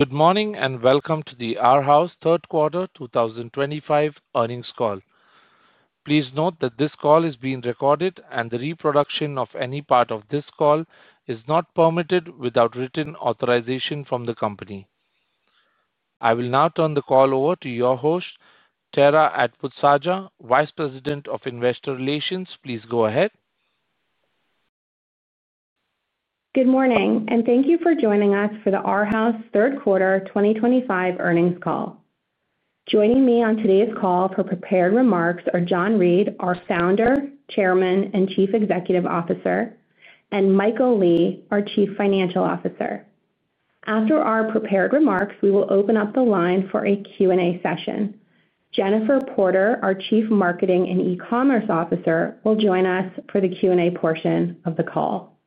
Good morning and welcome to the Arhaus Q3 2025 earnings call. Please note that this call is being recorded, and the reproduction of any part of this call is not permitted without written authorization from the company. I will now turn the call over to your host, Tara Atwood Saja, Vice President of Investor Relations. Please go ahead. Good morning, and thank you for joining us for the Arhaus Q3 2025 earnings call. Joining me on today's call for prepared remarks are John Reed, our Founder, Chairman, and Chief Executive Officer, and Michael Lee, our Chief Financial Officer. After our prepared remarks, we will open up the line for a Q&A session. Jennifer Porter, our Chief Marketing and E-commerce Officer, will join us for the Q&A portion of the call.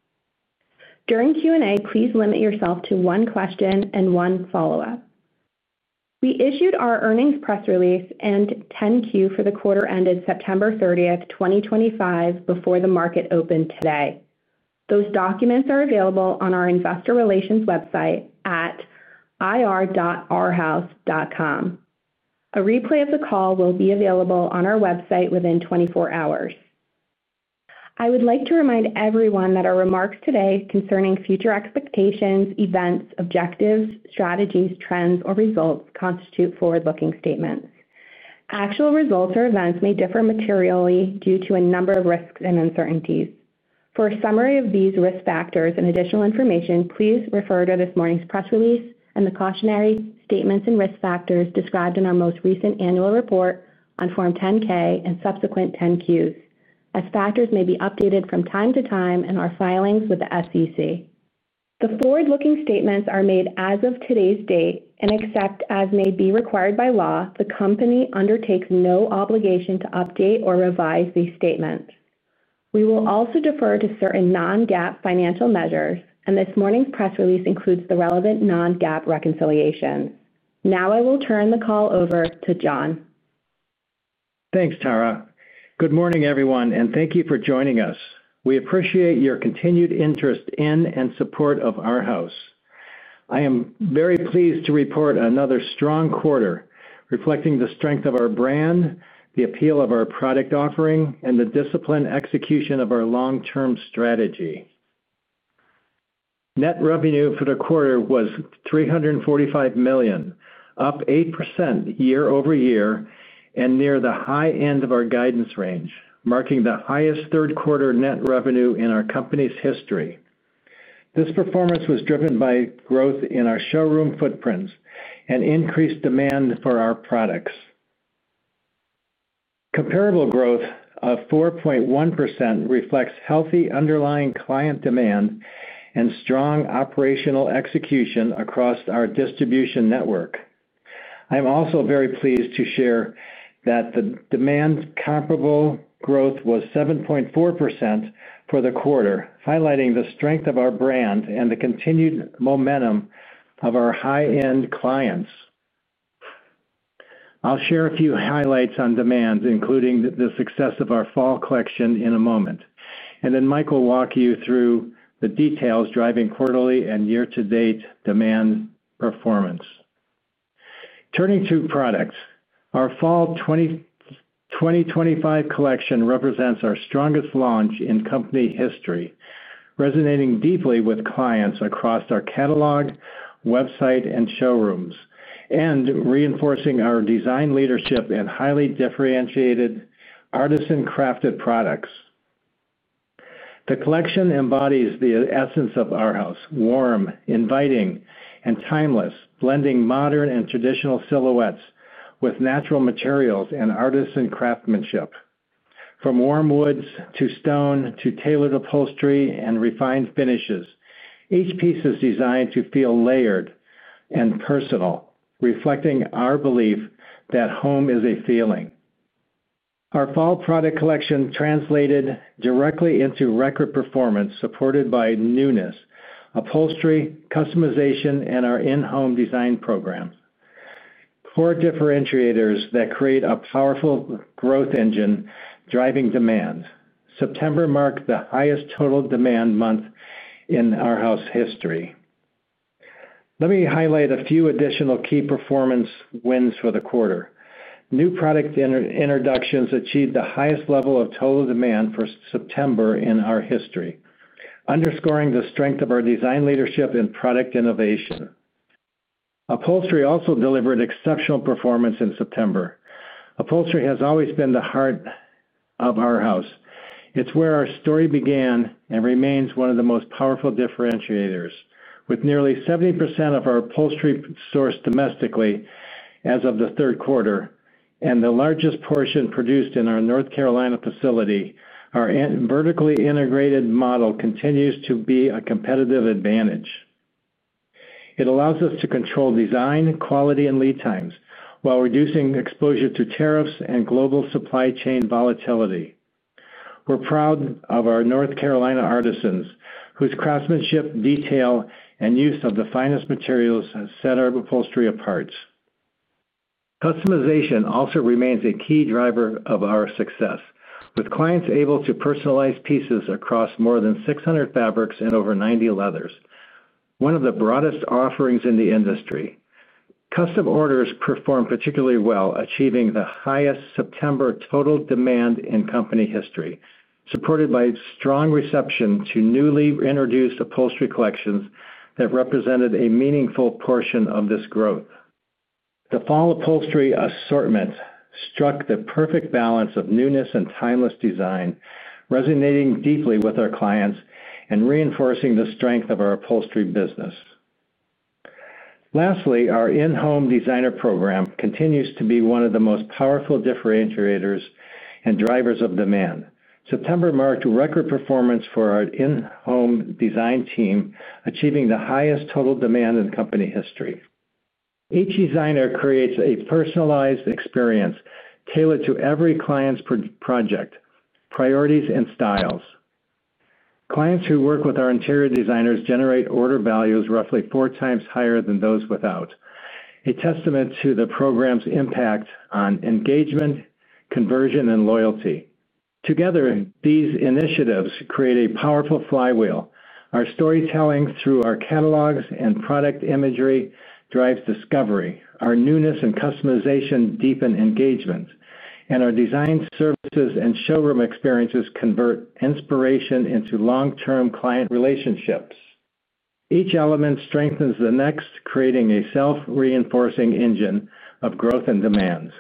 During Q&A, please limit yourself to one question and one follow-up. We issued our earnings press release and 10-Q for the quarter ended September 30th, 2025, before the market opened today. Those documents are available on our investor relations website at ir.arhaus.com. A replay of the call will be available on our website within 24 hours. I would like to remind everyone that our remarks today concerning future expectations, events, objectives, strategies, trends, or results constitute forward-looking statements. Actual results or events may differ materially due to a number of risks and uncertainties. For a summary of these risk factors and additional information, please refer to this morning's press release and the cautionary statements and risk factors described in our most recent annual report on Form 10-K and subsequent 10-Qs, as factors may be updated from time to time in our filings with the SEC. The forward-looking statements are made as of today's date and, except as may be required by law, the company undertakes no obligation to update or revise these statements. We will also defer to certain non-GAAP financial measures, and this morning's press release includes the relevant non-GAAP reconciliations. Now I will turn the call over to John. Thanks, Tara. Good morning, everyone, and thank you for joining us. We appreciate your continued interest in and support of Arhaus. I am very pleased to report another strong quarter, reflecting the strength of our brand, the appeal of our product offering, and the disciplined execution of our long-term strategy. Net revenue for the quarter was $345 million, up 8% year-over-year, and near the high end of our guidance range, marking the highest third-quarter net revenue in our company's history. This performance was driven by growth in our showroom footprint and increased demand for our products. Comparable growth of 4.1% reflects healthy underlying client demand and strong operational execution across our distribution network. I'm also very pleased to share that the demand-comparable growth was 7.4% for the quarter, highlighting the strength of our brand and the continued momentum of our high-end clients. I'll share a few highlights on demand, including the success of our fall collection in a moment, and then Michael will walk you through the details driving quarterly and year-to-date demand performance. Turning to products, our fall 2025 collection represents our strongest launch in company history, resonating deeply with clients across our catalog, website, and showrooms, and reinforcing our design leadership and highly differentiated artisan-crafted products. The collection embodies the essence of Arhaus: warm, inviting, and timeless, blending modern and traditional silhouettes with natural materials and artisan craftsmanship. From warm woods to stone to tailored upholstery and refined finishes, each piece is designed to feel layered and personal, reflecting our belief that home is a feeling. Our fall product collection translated directly into record performance supported by newness, upholstery, customization, and our in-home design program. Core differentiators that create a powerful growth engine driving demand. September marked the highest total demand month in Arhaus's history. Let me highlight a few additional key performance wins for the quarter. New product introductions achieved the highest level of total demand for September in our history, underscoring the strength of our design leadership and product innovation. Upholstery also delivered exceptional performance in September. Upholstery has always been the heart of Arhaus. It's where our story began and remains one of the most powerful differentiators. With nearly 70% of our upholstery sourced domestically as of the third quarter and the largest portion produced in our North Carolina facility, our vertically integrated model continues to be a competitive advantage. It allows us to control design, quality, and lead times while reducing exposure to tariffs and global supply chain volatility. We're proud of our North Carolina artisans, whose craftsmanship, detail, and use of the finest materials set our upholstery apart. Customization also remains a key driver of our success, with clients able to personalize pieces across more than 600 fabrics and over 90 leathers, one of the broadest offerings in the industry. Custom orders performed particularly well, achieving the highest September total demand in company history, supported by strong reception to newly introduced upholstery collections that represented a meaningful portion of this growth. The fall upholstery assortment struck the perfect balance of newness and timeless design, resonating deeply with our clients and reinforcing the strength of our upholstery business. Lastly, our in-home designer program continues to be one of the most powerful differentiators and drivers of demand. September marked record performance for our in-home design team, achieving the highest total demand in company history. Each designer creates a personalized experience tailored to every client's project, priorities, and styles. Clients who work with our interior designers generate order values roughly four times higher than those without, a testament to the program's impact on engagement, conversion, and loyalty. Together, these initiatives create a powerful flywheel. Our storytelling through our catalogs and product imagery drives discovery. Our newness and customization deepen engagement, and our design services and showroom experiences convert inspiration into long-term client relationships. Each element strengthens the next, creating a self-reinforcing engine of growth and demand.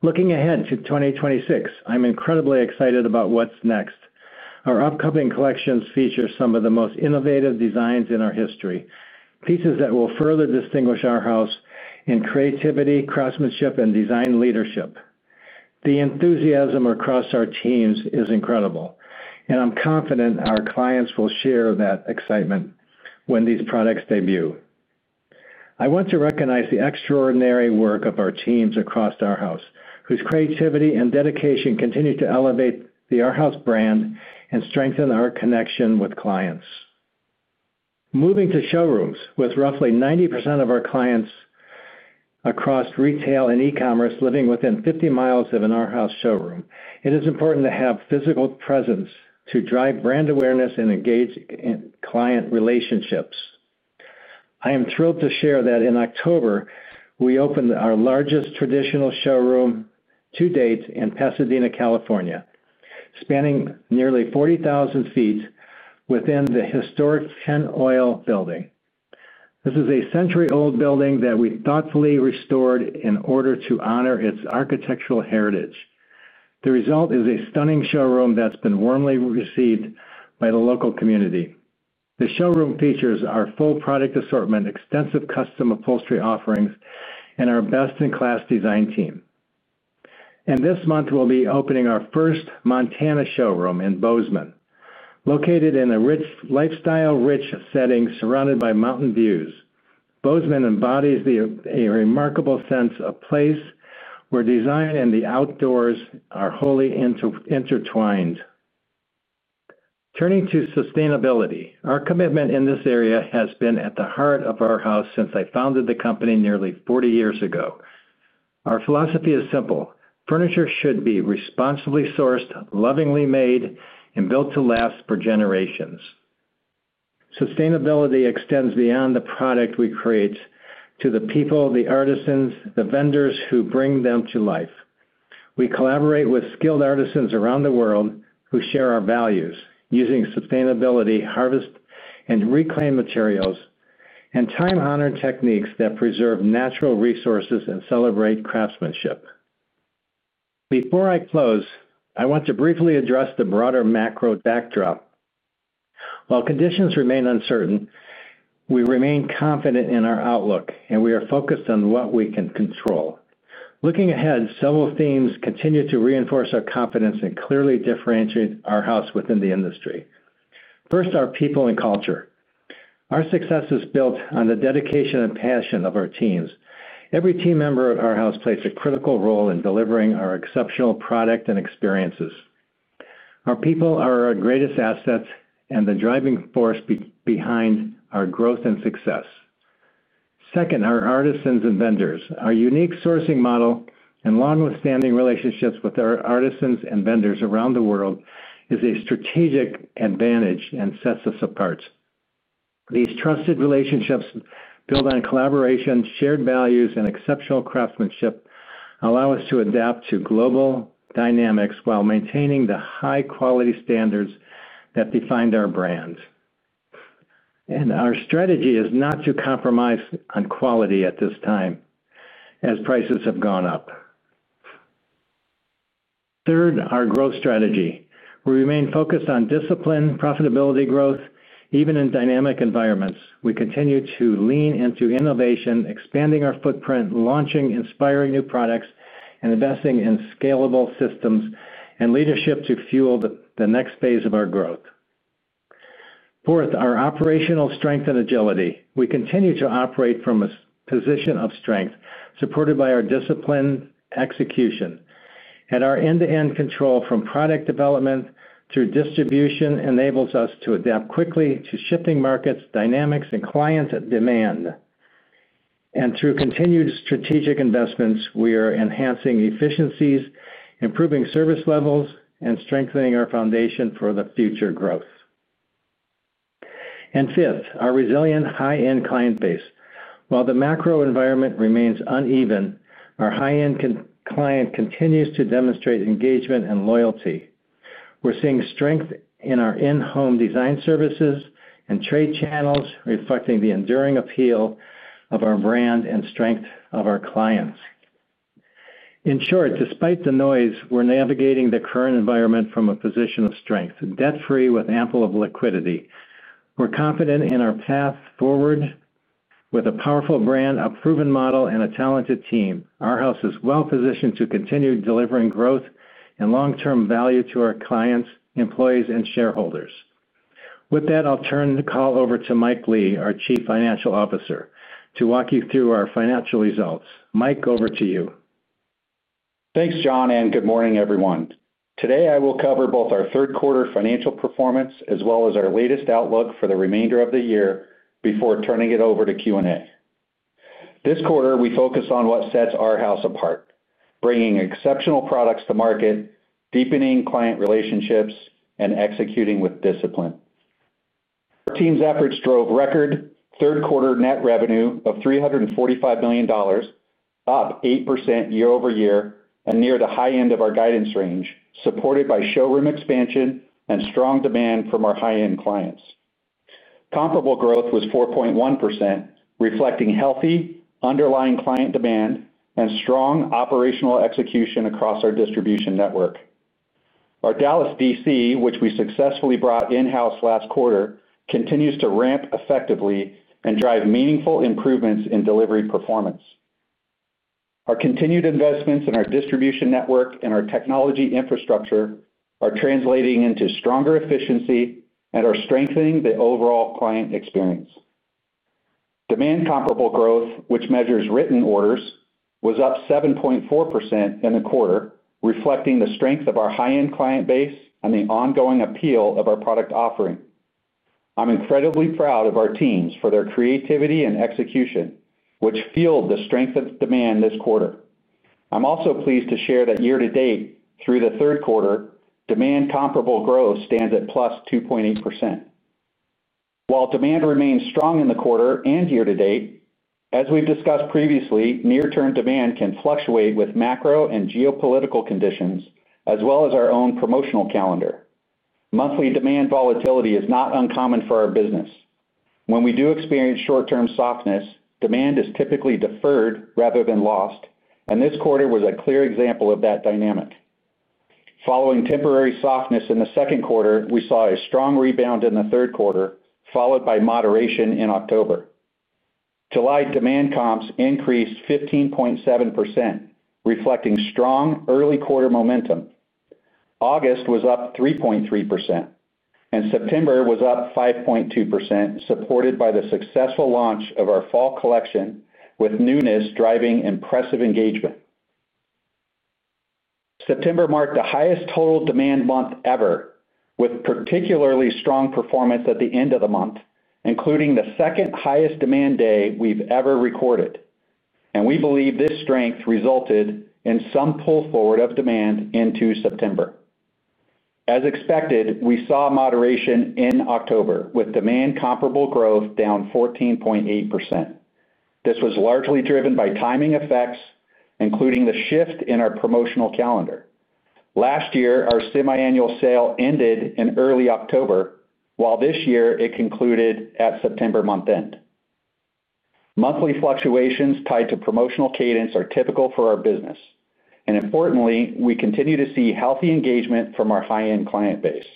Looking ahead to 2026, I'm incredibly excited about what's next. Our upcoming collections feature some of the most innovative designs in our history, pieces that will further distinguish Arhaus in creativity, craftsmanship, and design leadership. The enthusiasm across our teams is incredible, and I'm confident our clients will share that excitement when these products debut. I want to recognize the extraordinary work of our teams across Arhaus, whose creativity and dedication continue to elevate the Arhaus brand and strengthen our connection with clients. Moving to showrooms, with roughly 90% of our clients across retail and e-commerce living within 50 mi of an Arhaus showroom, it is important to have physical presence to drive brand awareness and engage in client relationships. I am thrilled to share that in October, we opened our largest traditional showroom to date in Pasadena, California, spanning nearly 40,000 sq ft within the historic Penn Oil Building. This is a century-old building that we thoughtfully restored in order to honor its architectural heritage. The result is a stunning showroom that has been warmly received by the local community. The showroom features our full product assortment, extensive custom upholstery offerings, and our best-in-class design team. This month, we'll be opening our first Montana showroom in Bozeman. Located in a lifestyle-rich setting surrounded by mountain views, Bozeman embodies a remarkable sense of place where design and the outdoors are wholly intertwined. Turning to sustainability, our commitment in this area has been at the heart of Arhaus since I founded the company nearly 40 years ago. Our philosophy is simple: furniture should be responsibly sourced, lovingly made, and built to last for generations. Sustainability extends beyond the product we create to the people, the artisans, the vendors who bring them to life. We collaborate with skilled artisans around the world who share our values, using sustainable, harvested, and reclaimed materials, and time-honored techniques that preserve natural resources and celebrate craftsmanship. Before I close, I want to briefly address the broader macro backdrop. While conditions remain uncertain, we remain confident in our outlook, and we are focused on what we can control. Looking ahead, several themes continue to reinforce our confidence and clearly differentiate Arhaus within the industry. First, our people and culture. Our success is built on the dedication and passion of our teams. Every team member at Arhaus plays a critical role in delivering our exceptional product and experiences. Our people are our greatest assets and the driving force behind our growth and success. Second, our artisans and vendors. Our unique sourcing model and long-standing relationships with our artisans and vendors around the world is a strategic advantage and sets us apart. These trusted relationships, built on collaboration, shared values, and exceptional craftsmanship, allow us to adapt to global dynamics while maintaining the high-quality standards that defined our brand. Our strategy is not to compromise on quality at this time, as prices have gone up. Third, our growth strategy. We remain focused on discipline, profitability growth, even in dynamic environments. We continue to lean into innovation, expanding our footprint, launching inspiring new products, and investing in scalable systems and leadership to fuel the next phase of our growth. Fourth, our operational strength and agility. We continue to operate from a position of strength, supported by our discipline execution. Our end-to-end control from product development through distribution enables us to adapt quickly to shifting markets, dynamics, and client demand. Through continued strategic investments, we are enhancing efficiencies, improving service levels, and strengthening our foundation for future growth. Fifth, our resilient high-end client base. While the macro environment remains uneven, our high-end client continues to demonstrate engagement and loyalty. We're seeing strength in our in-home design services and trade channels, reflecting the enduring appeal of our brand and strength of our clients. In short, despite the noise, we're navigating the current environment from a position of strength, debt-free with ample liquidity. We're confident in our path forward. With a powerful brand, a proven model, and a talented team, Arhaus is well-positioned to continue delivering growth and long-term value to our clients, employees, and shareholders. With that, I'll turn the call over to Mike Lee, our Chief Financial Officer, to walk you through our financial results. Mike, over to you. Thanks, John, and good morning, everyone. Today, I will cover both our third-quarter financial performance as well as our latest outlook for the remainder of the year before turning it over to Q&A. This quarter, we focus on what sets Arhaus apart: bringing exceptional products to market, deepening client relationships, and executing with discipline. Our team's efforts drove record third-quarter net revenue of $345 million, up 8% year-over-year and near the high end of our guidance range, supported by showroom expansion and strong demand from our high-end clients. Comparable growth was 4.1%, reflecting healthy underlying client demand and strong operational execution across our distribution network. Our Dallas, D.C., which we successfully brought in-house last quarter, continues to ramp effectively and drive meaningful improvements in delivery performance. Our continued investments in our distribution network and our technology infrastructure are translating into stronger efficiency and are strengthening the overall client experience. Demand comparable growth, which measures written orders, was up 7.4% in the quarter, reflecting the strength of our high-end client base and the ongoing appeal of our product offering. I'm incredibly proud of our teams for their creativity and execution, which fueled the strength of demand this quarter. I'm also pleased to share that year-to-date, through the third quarter, demand comparable growth stands at +2.8%. While demand remains strong in the quarter and year-to-date, as we've discussed previously, near-term demand can fluctuate with macro and geopolitical conditions, as well as our own promotional calendar. Monthly demand volatility is not uncommon for our business. When we do experience short-term softness, demand is typically deferred rather than lost, and this quarter was a clear example of that dynamic. Following temporary softness in the second quarter, we saw a strong rebound in the third quarter, followed by moderation in October. July demand comps increased 15.7%, reflecting strong early quarter momentum. August was up 3.3%, and September was up 5.2%, supported by the successful launch of our fall collection, with newness driving impressive engagement. September marked the highest total demand month ever, with particularly strong performance at the end of the month, including the second highest demand day we've ever recorded. We believe this strength resulted in some pull forward of demand into September. As expected, we saw moderation in October, with demand comparable growth down 14.8%. This was largely driven by timing effects, including the shift in our promotional calendar. Last year, our semiannual sale ended in early October, while this year it concluded at September month-end. Monthly fluctuations tied to promotional cadence are typical for our business. Importantly, we continue to see healthy engagement from our high-end client base.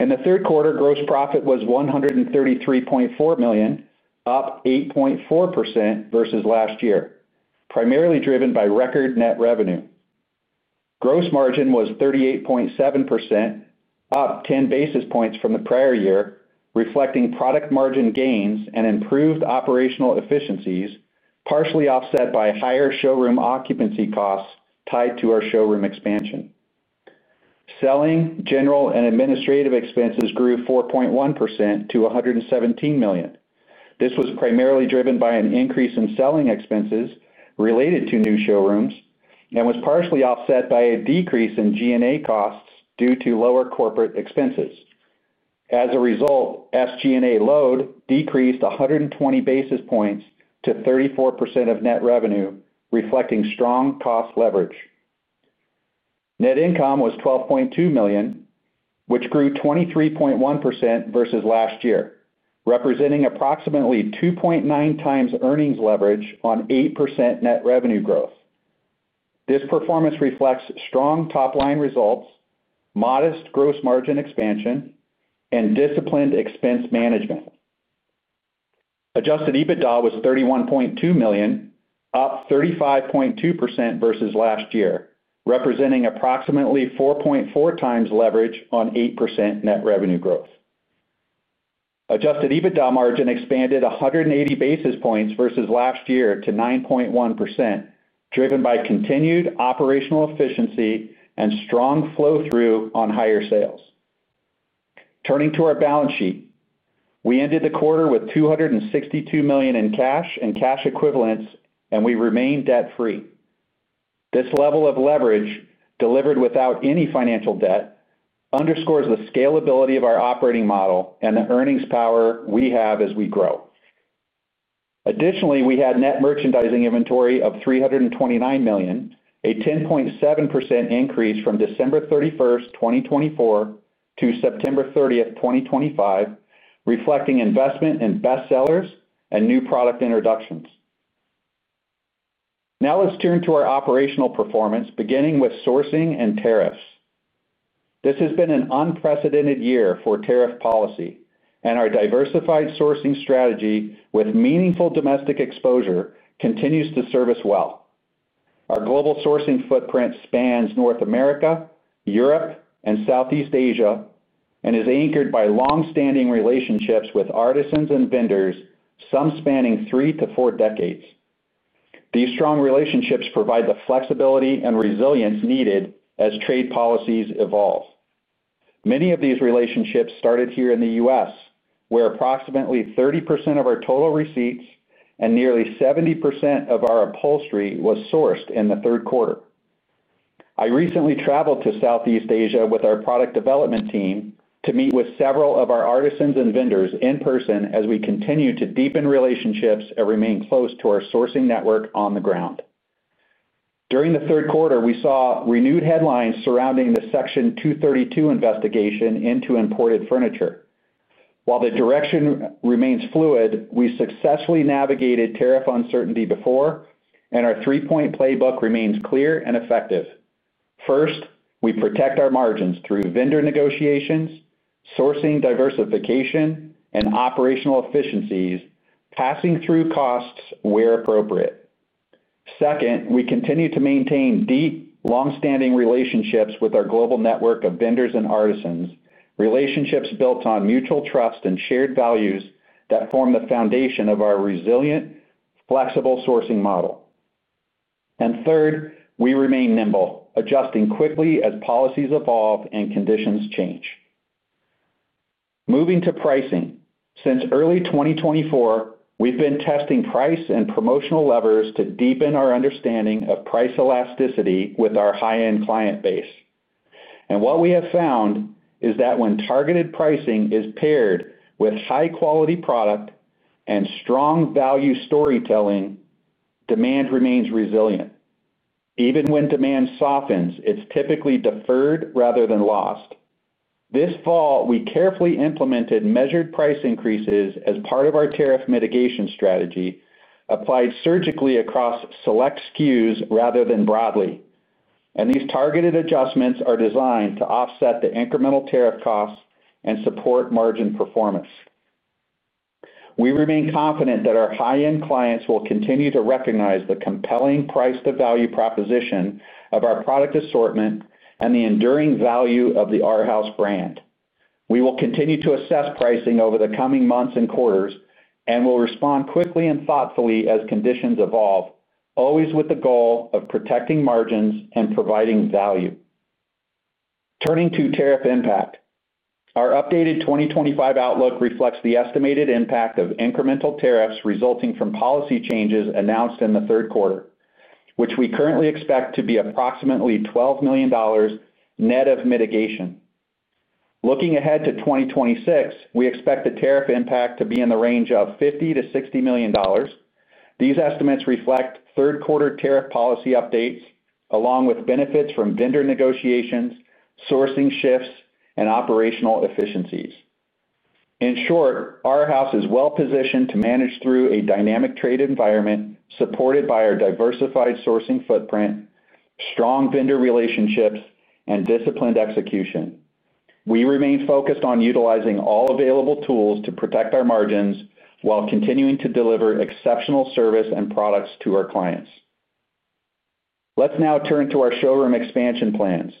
In the third quarter, gross profit was $133.4 million, up 8.4% versus last year, primarily driven by record net revenue. Gross margin was 38.7%, up 10 basis points from the prior year, reflecting product margin gains and improved operational efficiencies, partially offset by higher showroom occupancy costs tied to our showroom expansion. Selling, general, and administrative expenses grew 4.1% to $117 million. This was primarily driven by an increase in selling expenses related to new showrooms and was partially offset by a decrease in G&A costs due to lower corporate expenses. As a result, SG&A load decreased 120 basis points to 34% of net revenue, reflecting strong cost leverage. Net income was $12.2 million, which grew 23.1% versus last year, representing approximately 2.9 times earnings leverage on 8% net revenue growth. This performance reflects strong top-line results, modest gross margin expansion, and disciplined expense management. Adjusted EBITDA was $31.2 million, up 35.2% versus last year, representing approximately 4.4 times leverage on 8% net revenue growth. Adjusted EBITDA margin expanded 180 basis points versus last year to 9.1%, driven by continued operational efficiency and strong flow-through on higher sales. Turning to our balance sheet, we ended the quarter with $262 million in cash and cash equivalents, and we remain debt-free. This level of leverage, delivered without any financial debt, underscores the scalability of our operating model and the earnings power we have as we grow. Additionally, we had net merchandising inventory of $329 million, a 10.7% increase from December 31st, 2024, to September 30th, 2025, reflecting investment in best sellers and new product introductions. Now let's turn to our operational performance, beginning with sourcing and tariffs. This has been an unprecedented year for tariff policy, and our diversified sourcing strategy with meaningful domestic exposure continues to serve us well. Our global sourcing footprint spans North America, Europe, and Southeast Asia and is anchored by long-standing relationships with artisans and vendors, some spanning three to four decades. These strong relationships provide the flexibility and resilience needed as trade policies evolve. Many of these relationships started here in the U.S., where approximately 30% of our total receipts and nearly 70% of our upholstery was sourced in the third quarter. I recently traveled to Southeast Asia with our product development team to meet with several of our artisans and vendors in person as we continue to deepen relationships and remain close to our sourcing network on the ground. During the third quarter, we saw renewed headlines surrounding the Section 232 investigation into imported furniture. While the direction remains fluid, we successfully navigated tariff uncertainty before, and our three-point playbook remains clear and effective. First, we protect our margins through vendor negotiations, sourcing diversification, and operational efficiencies, passing through costs where appropriate. Second, we continue to maintain deep, long-standing relationships with our global network of vendors and artisans, relationships built on mutual trust and shared values that form the foundation of our resilient, flexible sourcing model. Third, we remain nimble, adjusting quickly as policies evolve and conditions change. Moving to pricing. Since early 2024, we've been testing price and promotional levers to deepen our understanding of price elasticity with our high-end client base. What we have found is that when targeted pricing is paired with high-quality product and strong value storytelling, demand remains resilient. Even when demand softens, it's typically deferred rather than lost. This fall, we carefully implemented measured price increases as part of our tariff mitigation strategy, applied surgically across select SKUs rather than broadly. These targeted adjustments are designed to offset the incremental tariff costs and support margin performance. We remain confident that our high-end clients will continue to recognize the compelling price-to-value proposition of our product assortment and the enduring value of the Arhaus brand. We will continue to assess pricing over the coming months and quarters and will respond quickly and thoughtfully as conditions evolve, always with the goal of protecting margins and providing value. Turning to tariff impact, our updated 2025 outlook reflects the estimated impact of incremental tariffs resulting from policy changes announced in the third quarter, which we currently expect to be approximately $12 million, net of mitigation. Looking ahead to 2026, we expect the tariff impact to be in the range of $50 million-$60 million. These estimates reflect third-quarter tariff policy updates along with benefits from vendor negotiations, sourcing shifts, and operational efficiencies. In short, Arhaus is well-positioned to manage through a dynamic trade environment supported by our diversified sourcing footprint, strong vendor relationships, and disciplined execution. We remain focused on utilizing all available tools to protect our margins while continuing to deliver exceptional service and products to our clients. Let's now turn to our showroom expansion plans.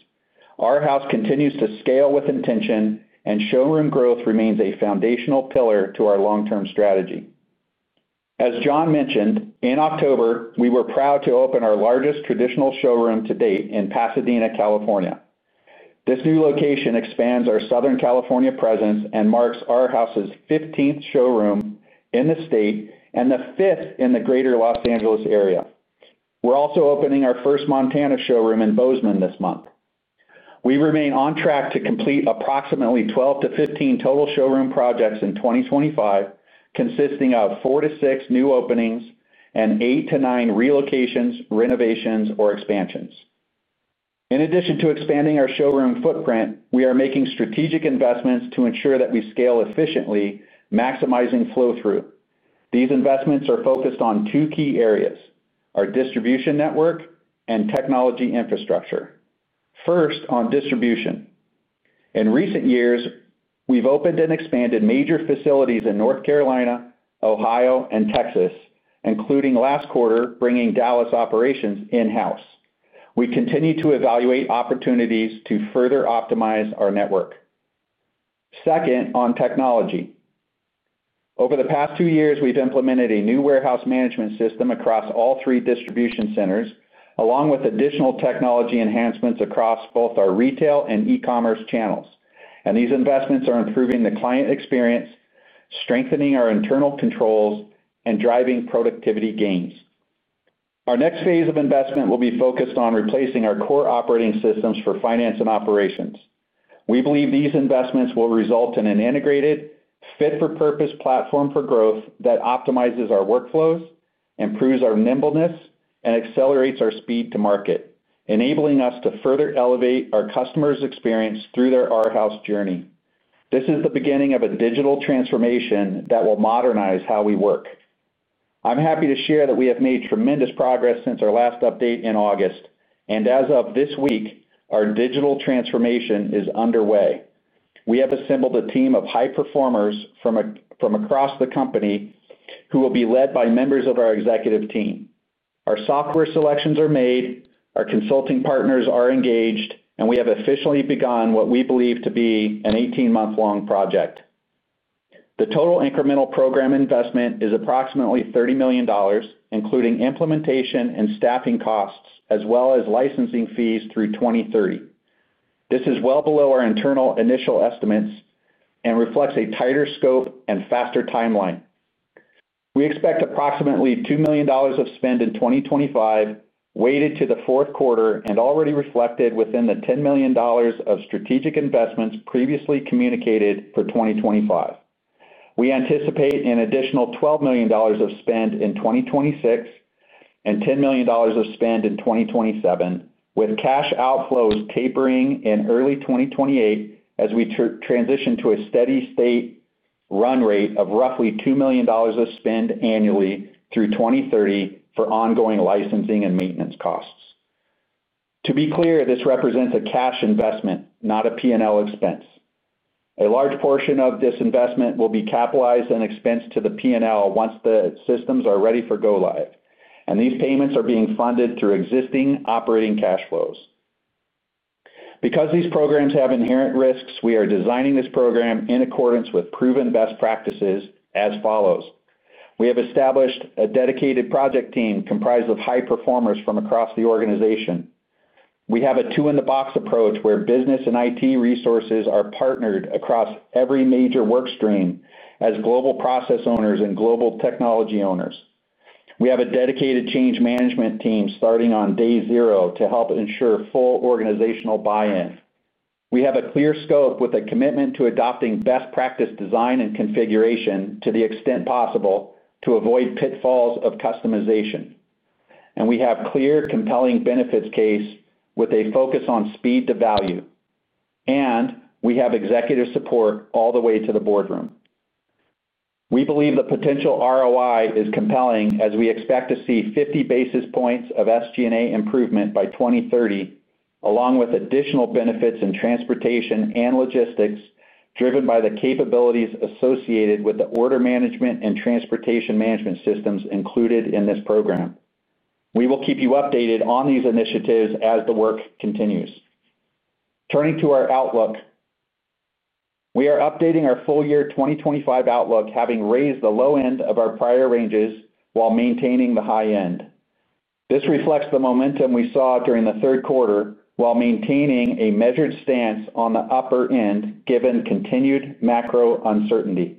Arhaus continues to scale with intention, and showroom growth remains a foundational pillar to our long-term strategy. As John mentioned, in October, we were proud to open our largest traditional showroom to date in Pasadena, California. This new location expands our Southern California presence and marks Arhaus's 15th showroom in the state and the fifth in the greater Los Angeles area. We're also opening our first Montana showroom in Bozeman this month. We remain on track to complete approximately 12-15 total showroom projects in 2025, consisting of 4-6 new openings and 8-9 relocations, renovations, or expansions. In addition to expanding our showroom footprint, we are making strategic investments to ensure that we scale efficiently, maximizing flow-through. These investments are focused on two key areas: our distribution network and technology infrastructure. First, on distribution. In recent years, we've opened and expanded major facilities in North Carolina, Ohio, and Texas, including last quarter bringing Dallas operations in-house. We continue to evaluate opportunities to further optimize our network. Second, on technology. Over the past two years, we've implemented a new warehouse management system across all three distribution centers, along with additional technology enhancements across both our retail and e-commerce channels. These investments are improving the client experience, strengthening our internal controls, and driving productivity gains. Our next phase of investment will be focused on replacing our core operating systems for finance and operations. We believe these investments will result in an integrated, fit-for-purpose platform for growth that optimizes our workflows, improves our nimbleness, and accelerates our speed to market, enabling us to further elevate our customers' experience through their Arhaus journey. This is the beginning of a digital transformation that will modernize how we work. I'm happy to share that we have made tremendous progress since our last update in August. As of this week, our digital transformation is underway. We have assembled a team of high performers from across the company who will be led by members of our executive team. Our software selections are made, our consulting partners are engaged, and we have officially begun what we believe to be an 18-month-long project. The total incremental program investment is approximately $30 million, including implementation and staffing costs, as well as licensing fees through 2030. This is well below our internal initial estimates and reflects a tighter scope and faster timeline. We expect approximately $2 million of spend in 2025, weighted to the fourth quarter and already reflected within the $10 million of strategic investments previously communicated for 2025. We anticipate an additional $12 million of spend in 2026. $10 million of spend in 2027, with cash outflows tapering in early 2028 as we transition to a steady-state run rate of roughly $2 million of spend annually through 2030 for ongoing licensing and maintenance costs. To be clear, this represents a cash investment, not a P&L expense. A large portion of this investment will be capitalized and expensed to the P&L once the systems are ready for go-live. These payments are being funded through existing operating cash flows. Because these programs have inherent risks, we are designing this program in accordance with proven best practices as follows. We have established a dedicated project team comprised of high performers from across the organization. We have a two-in-the-box approach where business and IT resources are partnered across every major workstream as global process owners and global technology owners. We have a dedicated change management team starting on day zero to help ensure full organizational buy-in. We have a clear scope with a commitment to adopting best practice design and configuration to the extent possible to avoid pitfalls of customization. We have a clear, compelling benefits case with a focus on speed to value. We have executive support all the way to the boardroom. We believe the potential ROI is compelling as we expect to see 50 basis points of SG&A improvement by 2030, along with additional benefits in transportation and logistics driven by the capabilities associated with the order management and transportation management systems included in this program. We will keep you updated on these initiatives as the work continues. Turning to our outlook. We are updating our full year 2025 outlook, having raised the low end of our prior ranges while maintaining the high end. This reflects the momentum we saw during the third quarter while maintaining a measured stance on the upper end given continued macro uncertainty.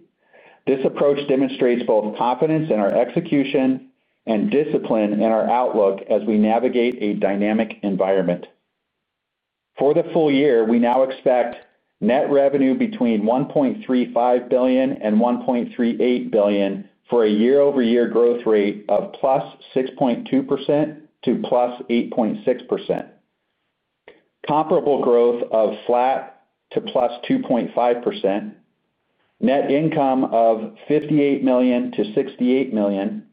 This approach demonstrates both confidence in our execution and discipline in our outlook as we navigate a dynamic environment. For the full year, we now expect net revenue between $1.35 billion and $1.38 billion for a year-over-year growth rate of +6.2%-+8.6%. Comparable growth of flat to +2.5%. Net income of $58 million-$68 million,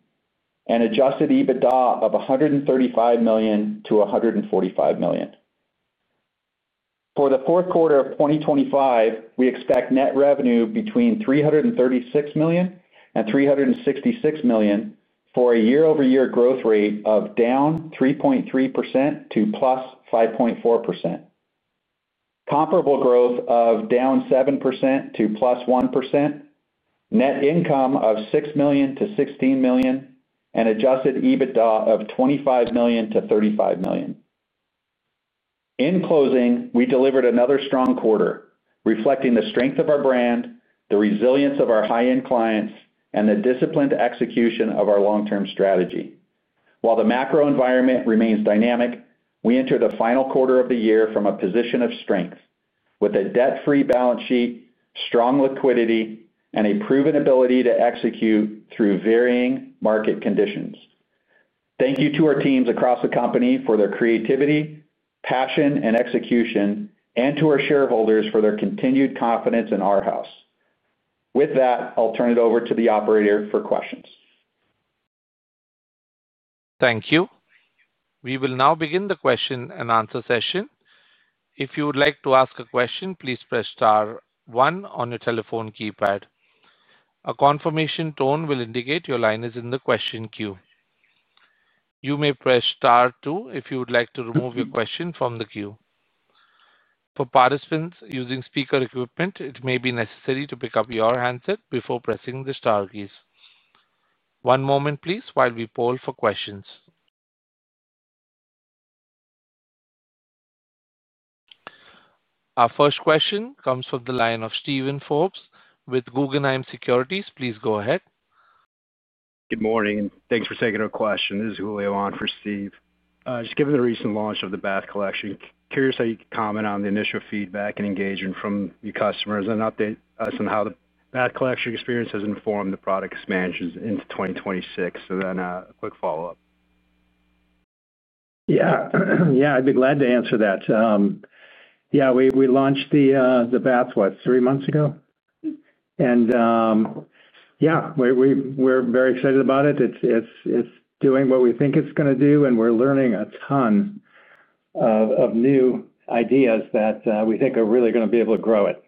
and adjusted EBITDA of $135 million-$145 million. For the fourth quarter of 2025, we expect net revenue between $336 million and $366 million for a year-over-year growth rate of down 3.3%-+5.4%. Comparable growth of down 7%-+1%. Net income of $6 million-$16 million, and adjusted EBITDA of $25 million-$35 million. In closing, we delivered another strong quarter, reflecting the strength of our brand, the resilience of our high-end clients, and the disciplined execution of our long-term strategy. While the macro environment remains dynamic, we enter the final quarter of the year from a position of strength, with a debt-free balance sheet, strong liquidity, and a proven ability to execute through varying market conditions. Thank you to our teams across the company for their creativity, passion, and execution, and to our shareholders for their continued confidence in Arhaus. With that, I'll turn it over to the operator for questions. Thank you. We will now begin the question and answer session. If you would like to ask a question, please press Star 1 on your telephone keypad. A confirmation tone will indicate your line is in the question queue. You may press Star 2 if you would like to remove your question from the queue. For participants using speaker equipment, it may be necessary to pick up your handset before pressing the Star keys. One moment, please, while we poll for questions. Our first question comes from the line of Steven Forbes with Guggenheim Securities. Please go ahead. Good morning. Thanks for taking our question. This is Julio on for Steve. Just given the recent launch of the Bath Collection, curious how you could comment on the initial feedback and engagement from your customers and update us on how the Bath Collection experience has informed the product expansions into 2026. A quick follow-up. Yeah. I'd be glad to answer that. Yeah. We launched the Bath, what, three months ago? Yeah, we're very excited about it. It's doing what we think it's going to do, and we're learning a ton of new ideas that we think are really going to be able to grow it.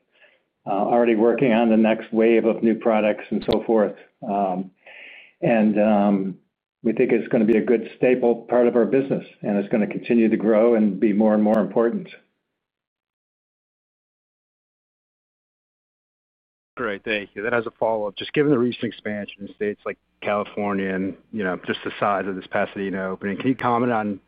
Already working on the next wave of new products and so forth. We think it's going to be a good staple part of our business, and it's going to continue to grow and be more and more important. Great. Thank you. As a follow-up, just given the recent expansion in states like California and just the size of this Pasadena opening, can you comment on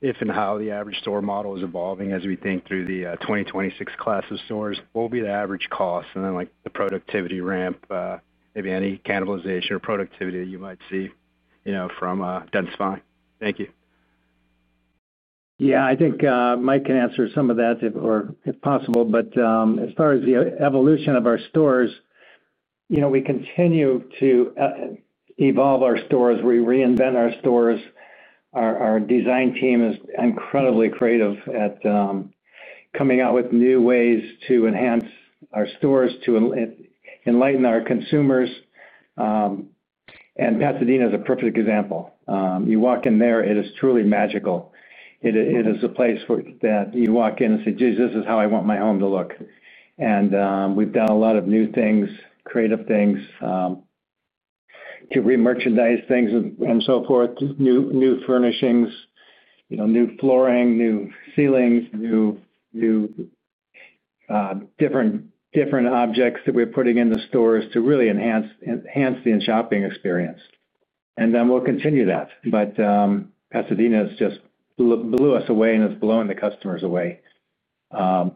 if and how the average store model is evolving as we think through the 2026 class of stores? What will be the average cost and then the productivity ramp, maybe any cannibalization or productivity that you might see from Densify? Thank you. Yeah. I think Mike can answer some of that if possible. As far as the evolution of our stores, we continue to evolve our stores. We reinvent our stores. Our design team is incredibly creative at coming out with new ways to enhance our stores, to enlighten our consumers. Pasadena is a perfect example. You walk in there, it is truly magical. It is a place that you walk in and say, "Jeez, this is how I want my home to look." We have done a lot of new things, creative things to re-merchandise things and so forth, new furnishings, new flooring, new ceilings, different objects that we are putting in the stores to really enhance the shopping experience. We will continue that. Pasadena has just blew us away and is blowing the customers away. I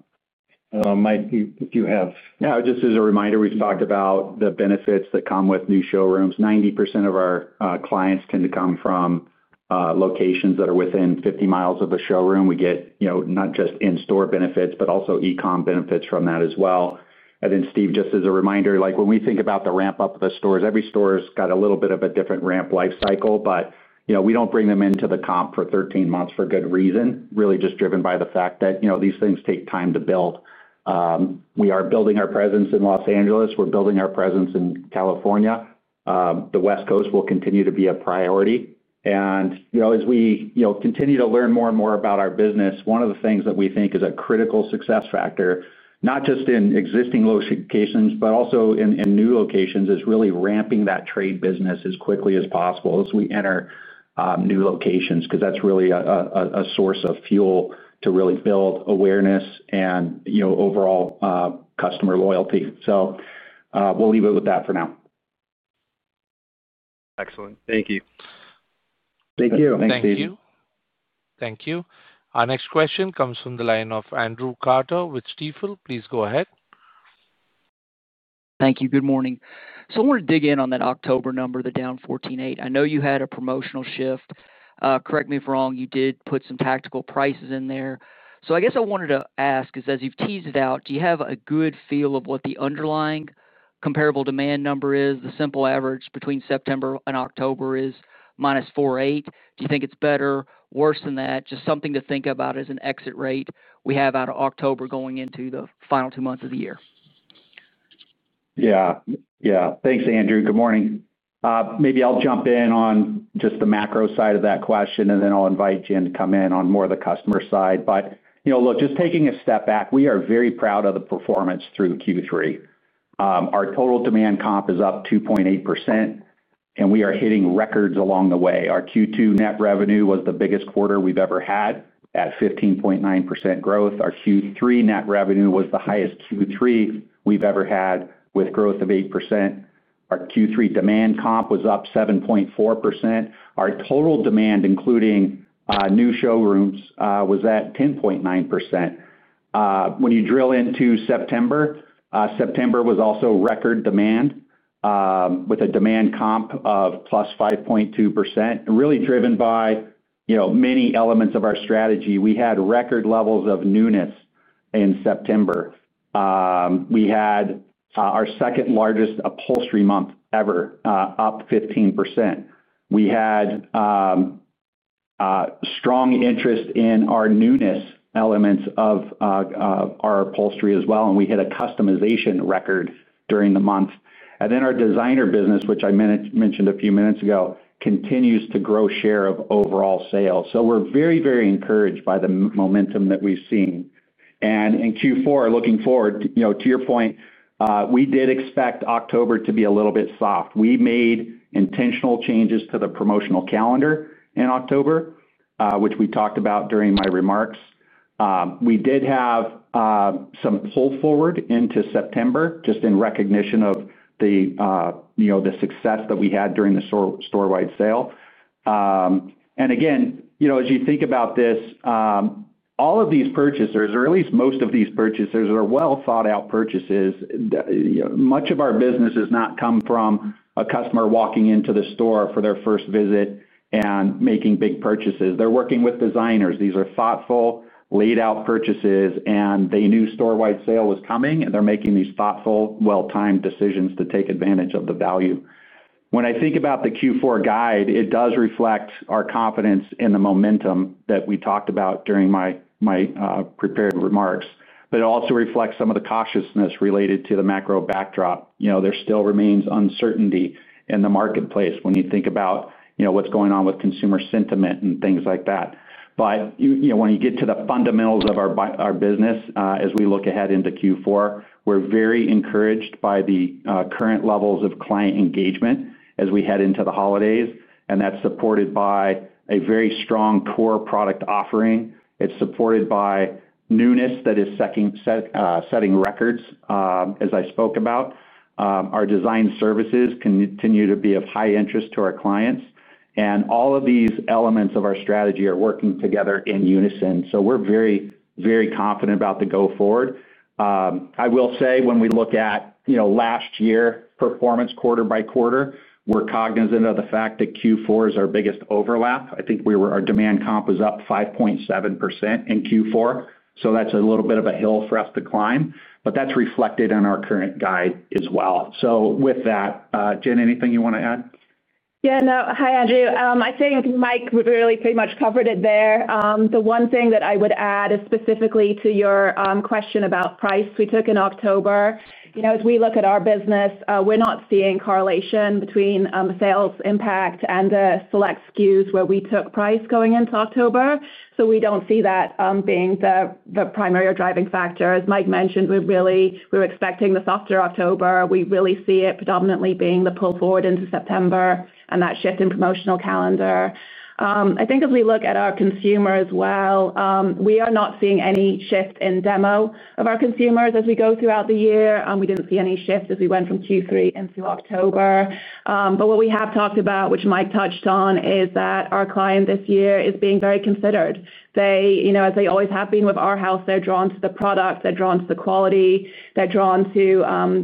Mike if you have. Now, just as a reminder, we have talked about the benefits that come with new showrooms. 90% of our clients tend to come from locations that are within 50 mi of the showroom. We get not just in-store benefits, but also e-com benefits from that as well. Steve, just as a reminder, when we think about the ramp-up of the stores, every store has got a little bit of a different ramp life cycle. We do not bring them into the comp for 13 months for good reason, really just driven by the fact that these things take time to build. We are building our presence in Los Angeles. We are building our presence in California. The West Coast will continue to be a priority. As we continue to learn more and more about our business, one of the things that we think is a critical success factor, not just in existing locations, but also in new locations, is really ramping that trade business as quickly as possible as we enter new locations because that's really a source of fuel to really build awareness and overall customer loyalty. We'll leave it with that for now. Excellent. Thank you. Thank you. Thank you. Thank you. Thank you. Our next question comes from the line of Andrew Carter with Stifel. Please go ahead. Thank you. Good morning. I want to dig in on that October number, the down 148. I know you had a promotional shift. Correct me if wrong. You did put some tactical prices in there. So I guess I wanted to ask is, as you've teased it out, do you have a good feel of what the underlying comparable demand number is? The simple average between September and October is minus 48. Do you think it's better, worse than that? Just something to think about as an exit rate we have out of October going into the final two months of the year. Yeah. Yeah. Thanks, Andrew. Good morning. Maybe I'll jump in on just the macro side of that question, and then I'll invite Jen to come in on more of the customer side. But look, just taking a step back, we are very proud of the performance through Q3. Our total demand comp is up 2.8%. And we are hitting records along the way. Our Q2 net revenue was the biggest quarter we've ever had at 15.9% growth. Our Q3 net revenue was the highest Q3 we've ever had with growth of 8%. Our Q3 demand comp was up 7.4%. Our total demand, including new showrooms, was at 10.9%. When you drill into September, September was also record demand, with a demand comp of plus 5.2%, really driven by many elements of our strategy. We had record levels of newness in September. We had our second largest upholstery month ever, up 15%. We had strong interest in our newness elements of our upholstery as well, and we hit a customization record during the month. Then our designer business, which I mentioned a few minutes ago, continues to grow share of overall sales. We are very, very encouraged by the momentum that we've seen. In Q4, looking forward, to your point, we did expect October to be a little bit soft. We made intentional changes to the promotional calendar in October, which we talked about during my remarks. We did have some pull forward into September, just in recognition of the success that we had during the store-wide sale. As you think about this, all of these purchasers, or at least most of these purchasers, are well-thought-out purchases. Much of our business has not come from a customer walking into the store for their first visit and making big purchases. They are working with designers. These are thoughtful, laid-out purchases, and they knew store-wide sale was coming, and they are making these thoughtful, well-timed decisions to take advantage of the value. When I think about the Q4 guide, it does reflect our confidence in the momentum that we talked about during my prepared remarks, but it also reflects some of the cautiousness related to the macro backdrop. There still remains uncertainty in the marketplace when you think about what's going on with consumer sentiment and things like that. When you get to the fundamentals of our business, as we look ahead into Q4, we're very encouraged by the current levels of client engagement as we head into the holidays, and that's supported by a very strong core product offering. It's supported by newness that is setting records, as I spoke about. Our design services continue to be of high interest to our clients. All of these elements of our strategy are working together in unison. We're very, very confident about the go-forward. I will say, when we look at last year's performance quarter by quarter, we're cognizant of the fact that Q4 is our biggest overlap. I think our demand comp is up 5.7% in Q4. That's a little bit of a hill for us to climb, but that's reflected in our current guide as well. With that, Jen, anything you want to add? Yeah. No. Hi, Andrew. I think Mike really pretty much covered it there. The one thing that I would add is specifically to your question about price we took in October. As we look at our business, we're not seeing correlation between sales impact and the select SKUs where we took price going into October. We don't see that being the primary or driving factor. As Mike mentioned, we were expecting the softer October. We really see it predominantly being the pull forward into September and that shift in promotional calendar. I think as we look at our consumer as well, we are not seeing any shift in demo of our consumers as we go throughout the year. We did not see any shift as we went from Q3 into October. What we have talked about, which Mike touched on, is that our client this year is being very considered. As they always have been with Arhaus, they are drawn to the product. They are drawn to the quality. They are drawn to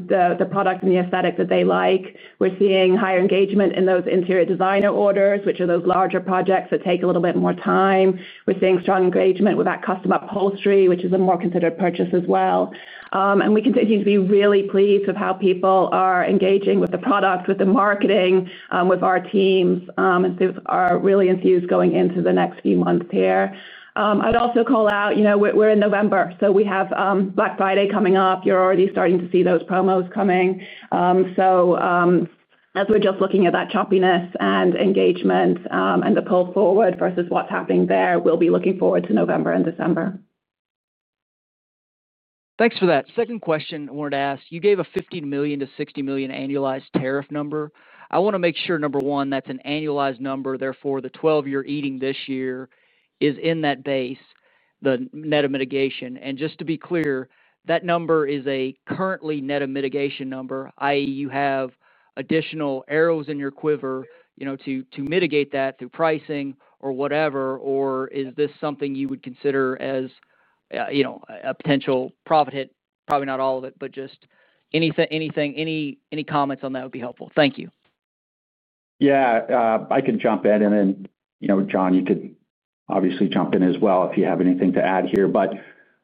the product and the aesthetic that they like. We are seeing higher engagement in those interior designer orders, which are those larger projects that take a little bit more time. We are seeing strong engagement with that custom upholstery, which is a more considered purchase as well. We continue to be really pleased with how people are engaging with the product, with the marketing, with our teams, and are really enthused going into the next few months here. I would also call out we are in November, so we have Black Friday coming up. You're already starting to see those promos coming. As we're just looking at that choppiness and engagement and the pull forward versus what's happening there, we'll be looking forward to November and December. Thanks for that. Second question I wanted to ask. You gave a $50 million-$60 million annualized tariff number. I want to make sure, number one, that's an annualized number. Therefore, the twelve-year eating this year is in that base, the net of mitigation. And just to be clear, that number is a currently net of mitigation number, i.e., you have additional arrows in your quiver to mitigate that through pricing or whatever, or is this something you would consider as a potential profit hit? Probably not all of it, but just any comments on that would be helpful. Thank you. Yeah. I can jump in. John, you could obviously jump in as well if you have anything to add here.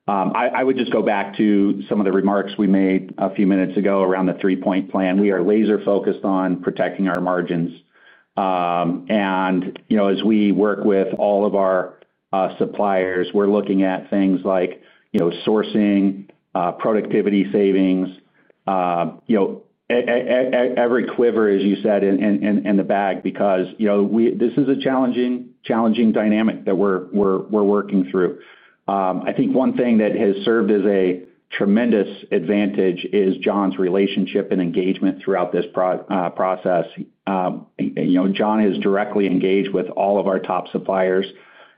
I would just go back to some of the remarks we made a few minutes ago around the three-point plan. We are laser-focused on protecting our margins. As we work with all of our suppliers, we are looking at things like sourcing, productivity savings, every quiver, as you said, in the bag. This is a challenging dynamic that we are working through. I think one thing that has served as a tremendous advantage is John's relationship and engagement throughout this process. John has directly engaged with all of our top suppliers.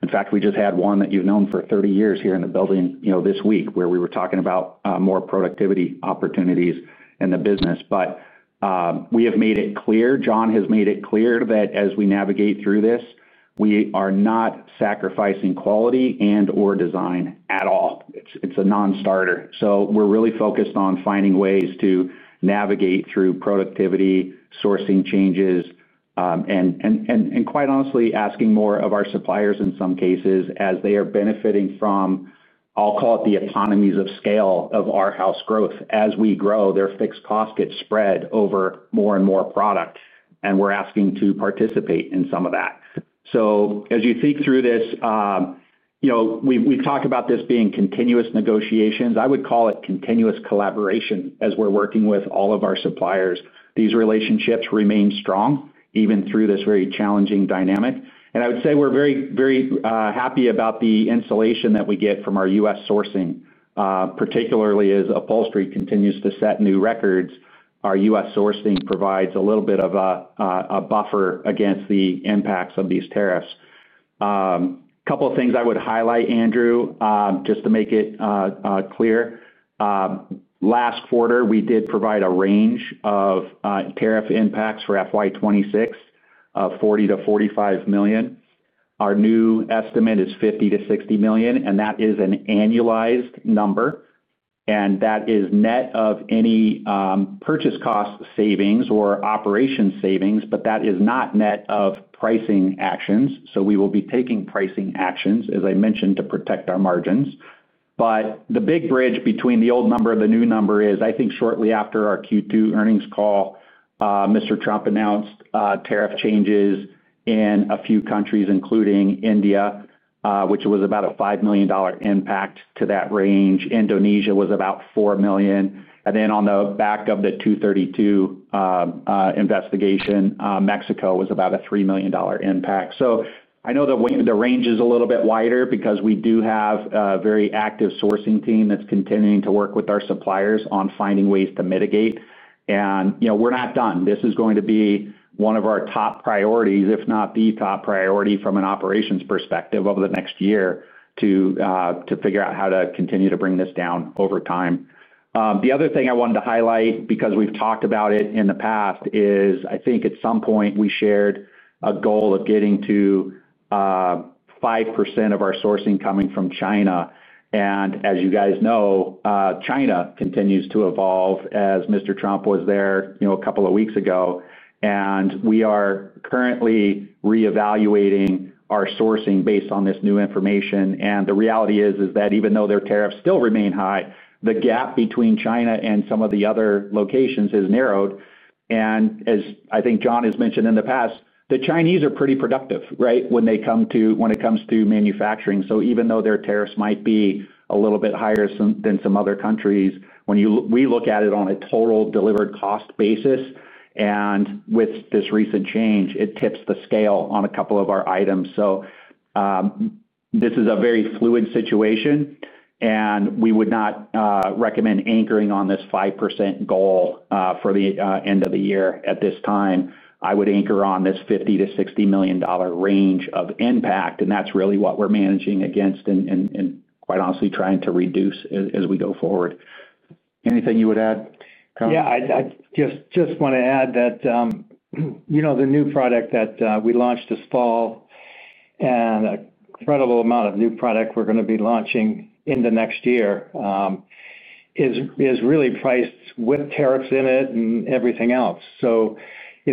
In fact, we just had one that you have known for 30 years here in the building this week where we were talking about more productivity opportunities in the business. We have made it clear, John has made it clear that as we navigate through this, we are not sacrificing quality and/or design at all. It's a non-starter. We are really focused on finding ways to navigate through productivity, sourcing changes. And quite honestly, asking more of our suppliers in some cases as they are benefiting from, I'll call it, the economies of scale of Arhaus growth. As we grow, their fixed costs get spread over more and more product, and we're asking to participate in some of that. As you think through this, we've talked about this being continuous negotiations. I would call it continuous collaboration as we're working with all of our suppliers. These relationships remain strong even through this very challenging dynamic. I would say we're very, very happy about the insulation that we get from our U.S. sourcing, particularly as upholstery continues to set new records. Our U.S. sourcing provides a little bit of a buffer against the impacts of these tariffs. A couple of things I would highlight, Andrew, just to make it clear. Last quarter, we did provide a range of tariff impacts for FY 2026 of $40 million-$45 million. Our new estimate is $50 million-$60 million, and that is an annualized number. That is net of any purchase cost savings or operation savings, but that is not net of pricing actions. We will be taking pricing actions, as I mentioned, to protect our margins. The big bridge between the old number and the new number is, I think shortly after our Q2 earnings call. Mr. Trump announced tariff changes in a few countries, including India, which was about a $5 million impact to that range. Indonesia was about $4 million. On the back of the 232 investigation, Mexico was about a $3 million impact. I know the range is a little bit wider because we do have a very active sourcing team that's continuing to work with our suppliers on finding ways to mitigate. We're not done. This is going to be one of our top priorities, if not the top priority from an operations perspective over the next year to figure out how to continue to bring this down over time. The other thing I wanted to highlight, because we've talked about it in the past, is I think at some point we shared a goal of getting to 5% of our sourcing coming from China. As you guys know, China continues to evolve as Mr. Trump was there a couple of weeks ago. We are currently reevaluating our sourcing based on this new information. The reality is that even though their tariffs still remain high, the gap between China and some of the other locations has narrowed. I think John has mentioned in the past, the Chinese are pretty productive, right, when it comes to manufacturing. Even though their tariffs might be a little bit higher than some other countries, when we look at it on a total delivered cost basis and with this recent change, it tips the scale on a couple of our items. This is a very fluid situation, and we would not recommend anchoring on this 5% goal for the end of the year at this time. I would anchor on this $50 million-$60 million range of impact, and that's really what we're managing against and quite honestly trying to reduce as we go forward. Anything you would add, John? Yeah. I just want to add that the new product that we launched this fall and an incredible amount of new product we're going to be launching in the next year is really priced with tariffs in it and everything else.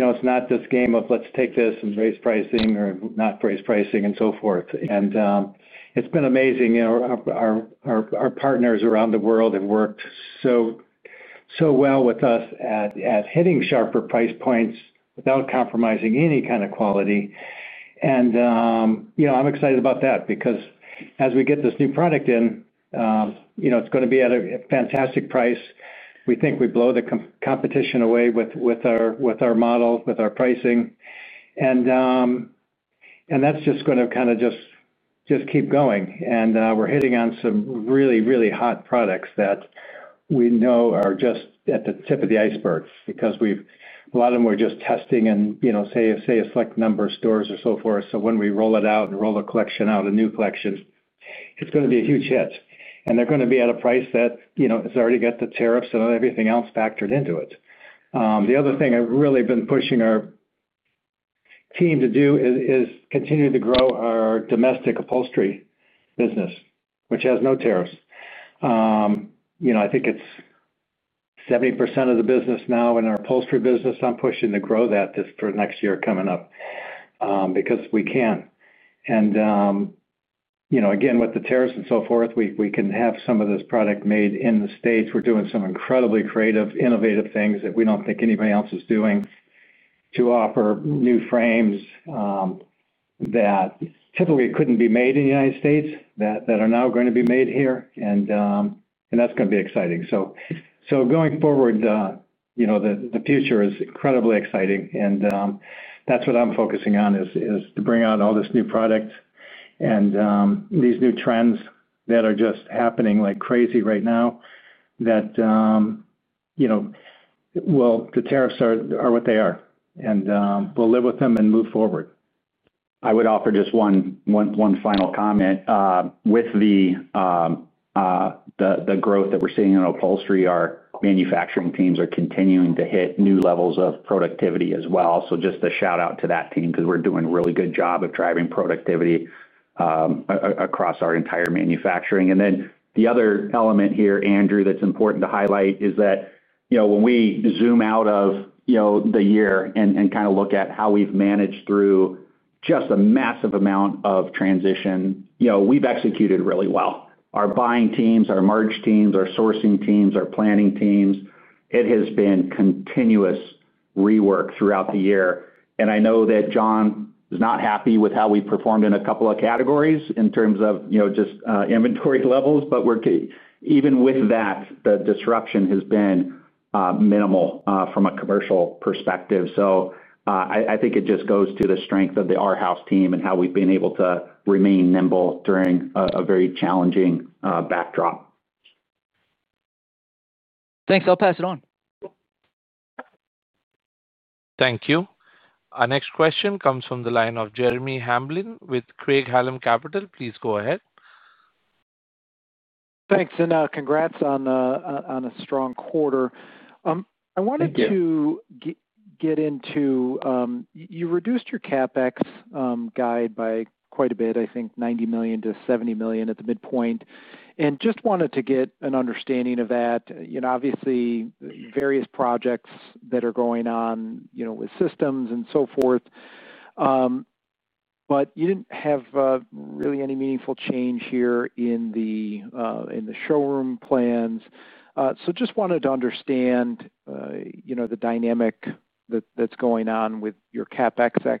It's not this game of, "Let's take this and raise pricing," or not raise pricing and so forth. It's been amazing. Our partners around the world have worked so well with us at hitting sharper price points without compromising any kind of quality. I'm excited about that because as we get this new product in, it's going to be at a fantastic price. We think we blow the competition away with our model, with our pricing. That is just going to kind of just keep going. We are hitting on some really, really hot products that we know are just at the tip of the iceberg because a lot of them we are just testing in, say, a select number of stores or so forth. When we roll it out and roll a collection out, a new collection, it is going to be a huge hit. They are going to be at a price that has already got the tariffs and everything else factored into it. The other thing I have really been pushing our team to do is continue to grow our domestic upholstery business, which has no tariffs. I think it is 70% of the business now in our upholstery business. I am pushing to grow that for next year coming up. Because we can. Again, with the tariffs and so forth, we can have some of this product made in the States. We're doing some incredibly creative, innovative things that we don't think anybody else is doing to offer new frames that typically couldn't be made in the United States that are now going to be made here. That is going to be exciting. Going forward, the future is incredibly exciting. That is what I'm focusing on, to bring out all this new product and these new trends that are just happening like crazy right now. The tariffs are what they are, and we'll live with them and move forward. I would offer just one final comment. With the growth that we're seeing in upholstery, our manufacturing teams are continuing to hit new levels of productivity as well. Just a shout-out to that team because we're doing a really good job of driving productivity across our entire manufacturing. The other element here, Andrew, that's important to highlight is that when we zoom out of the year and kind of look at how we've managed through just a massive amount of transition, we've executed really well. Our buying teams, our merge teams, our sourcing teams, our planning teams, it has been continuous rework throughout the year. I know that John is not happy with how we performed in a couple of categories in terms of just inventory levels, but even with that, the disruption has been minimal from a commercial perspective. I think it just goes to the strength of the Arhaus team and how we've been able to remain nimble during a very challenging backdrop. Thanks. I'll pass it on. Thank you. Our next question comes from the line of Jeremy Hamblin with Craig-Hallum Capital. Please go ahead. Thanks. And congrats on a strong quarter. I wanted to get into, you reduced your CapEx guide by quite a bit, I think, $90 million-$70 million at the midpoint. And just wanted to get an understanding of that. Obviously, various projects that are going on with systems and so forth. You did not have really any meaningful change here in the showroom plans. Just wanted to understand the dynamic that is going on with your CapEx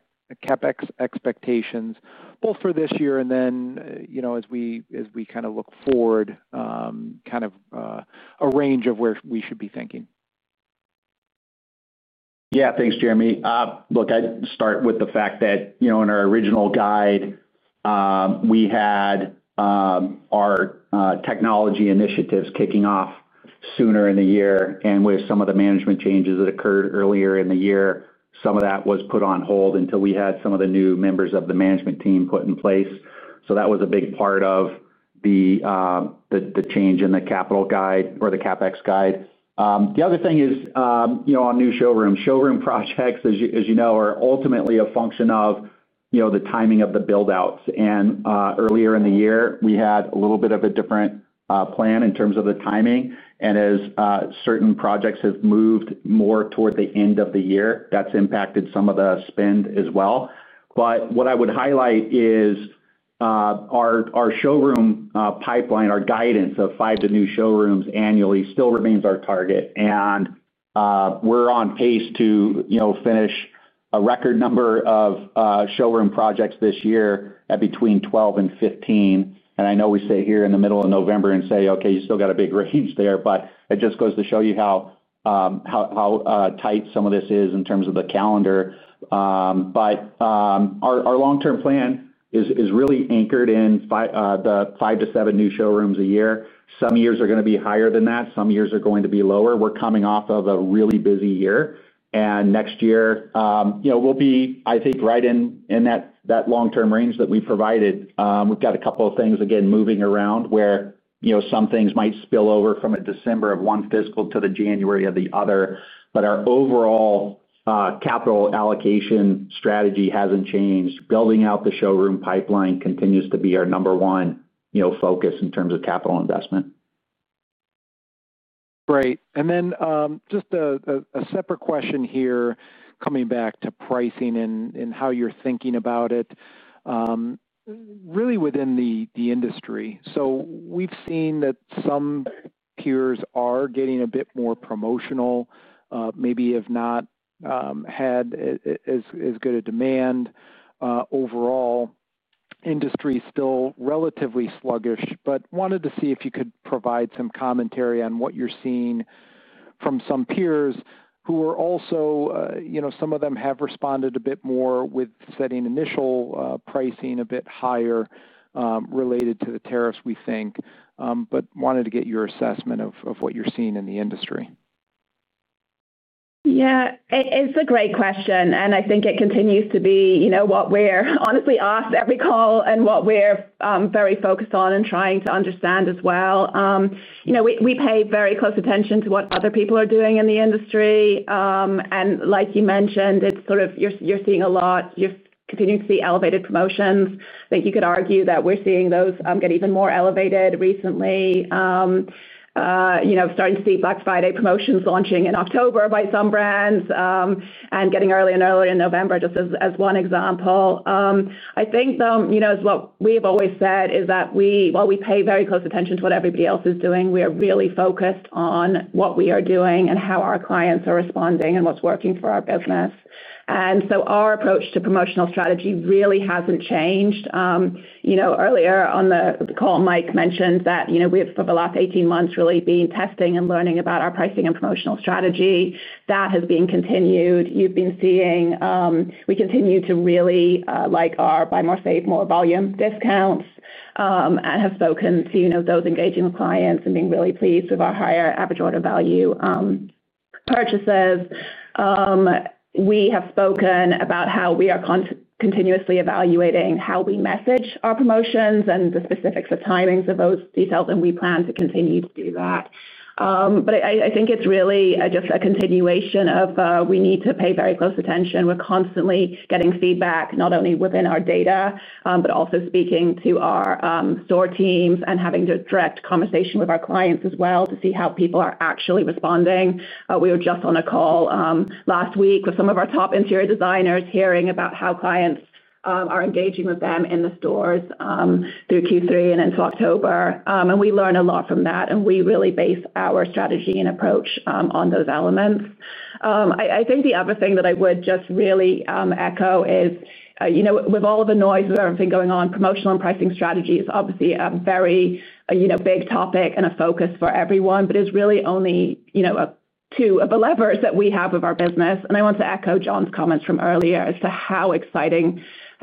expectations, both for this year and then as we kind of look forward, kind of a range of where we should be thinking. Yeah. Thanks, Jeremy. Look, I would start with the fact that in our original guide, we had our technology initiatives kicking off sooner in the year. With some of the management changes that occurred earlier in the year, some of that was put on hold until we had some of the new members of the management team put in place. That was a big part of the change in the capital guide or the CapEx guide. The other thing is, on new showrooms, showroom projects, as you know, are ultimately a function of the timing of the buildouts. Earlier in the year, we had a little bit of a different plan in terms of the timing, and as certain projects have moved more toward the end of the year, that has impacted some of the spend as well. What I would highlight is, our showroom pipeline, our guidance of five to new showrooms annually still remains our target. We're on pace to finish a record number of showroom projects this year at between 12 and 15. I know we sit here in the middle of November and say, "Okay, you still got a big range there." It just goes to show you how tight some of this is in terms of the calendar. Our long-term plan is really anchored in the five to seven new showrooms a year. Some years are going to be higher than that. Some years are going to be lower. We're coming off of a really busy year. Next year, we'll be, I think, right in that long-term range that we provided. We've got a couple of things, again, moving around where some things might spill over from December of one fiscal to the January of the other. Our overall capital allocation strategy hasn't changed. Building out the showroom pipeline continues to be our number one focus in terms of capital investment. Great. Just a separate question here coming back to pricing and how you're thinking about it. Really within the industry. We've seen that some peers are getting a bit more promotional, maybe have not had as good a demand. Overall, industry is still relatively sluggish, but wanted to see if you could provide some commentary on what you're seeing from some peers who are also, some of them have responded a bit more with setting initial pricing a bit higher. Related to the tariffs, we think. Wanted to get your assessment of what you're seeing in the industry. Yeah. It's a great question. I think it continues to be what we're honestly asked every call and what we're very focused on and trying to understand as well. We pay very close attention to what other people are doing in the industry. Like you mentioned, it's sort of you're seeing a lot. You're continuing to see elevated promotions. I think you could argue that we're seeing those get even more elevated recently. Starting to see Black Friday promotions launching in October by some brands and getting earlier and earlier in November, just as one example. I think, though, is what we have always said, is that while we pay very close attention to what everybody else is doing, we are really focused on what we are doing and how our clients are responding and what's working for our business. Our approach to promotional strategy really hasn't changed. Earlier on the call, Mike mentioned that we have, for the last 18 months, really been testing and learning about our pricing and promotional strategy. That has been continued. You've been seeing we continue to really like our buy more, save more volume discounts. And have spoken to those engaging with clients and being really pleased with our higher average order value. Purchases. We have spoken about how we are continuously evaluating how we message our promotions and the specifics of timings of those details, and we plan to continue to do that. I think it's really just a continuation of we need to pay very close attention. We're constantly getting feedback, not only within our data, but also speaking to our store teams and having direct conversation with our clients as well to see how people are actually responding. We were just on a call last week with some of our top interior designers hearing about how clients are engaging with them in the stores through Q3 and into October. We learn a lot from that, and we really base our strategy and approach on those elements. I think the other thing that I would just really echo is, with all of the noise and everything going on, promotional and pricing strategy is obviously a very big topic and a focus for everyone, but it's really only two of the levers that we have of our business. I want to echo John's comments from earlier as to how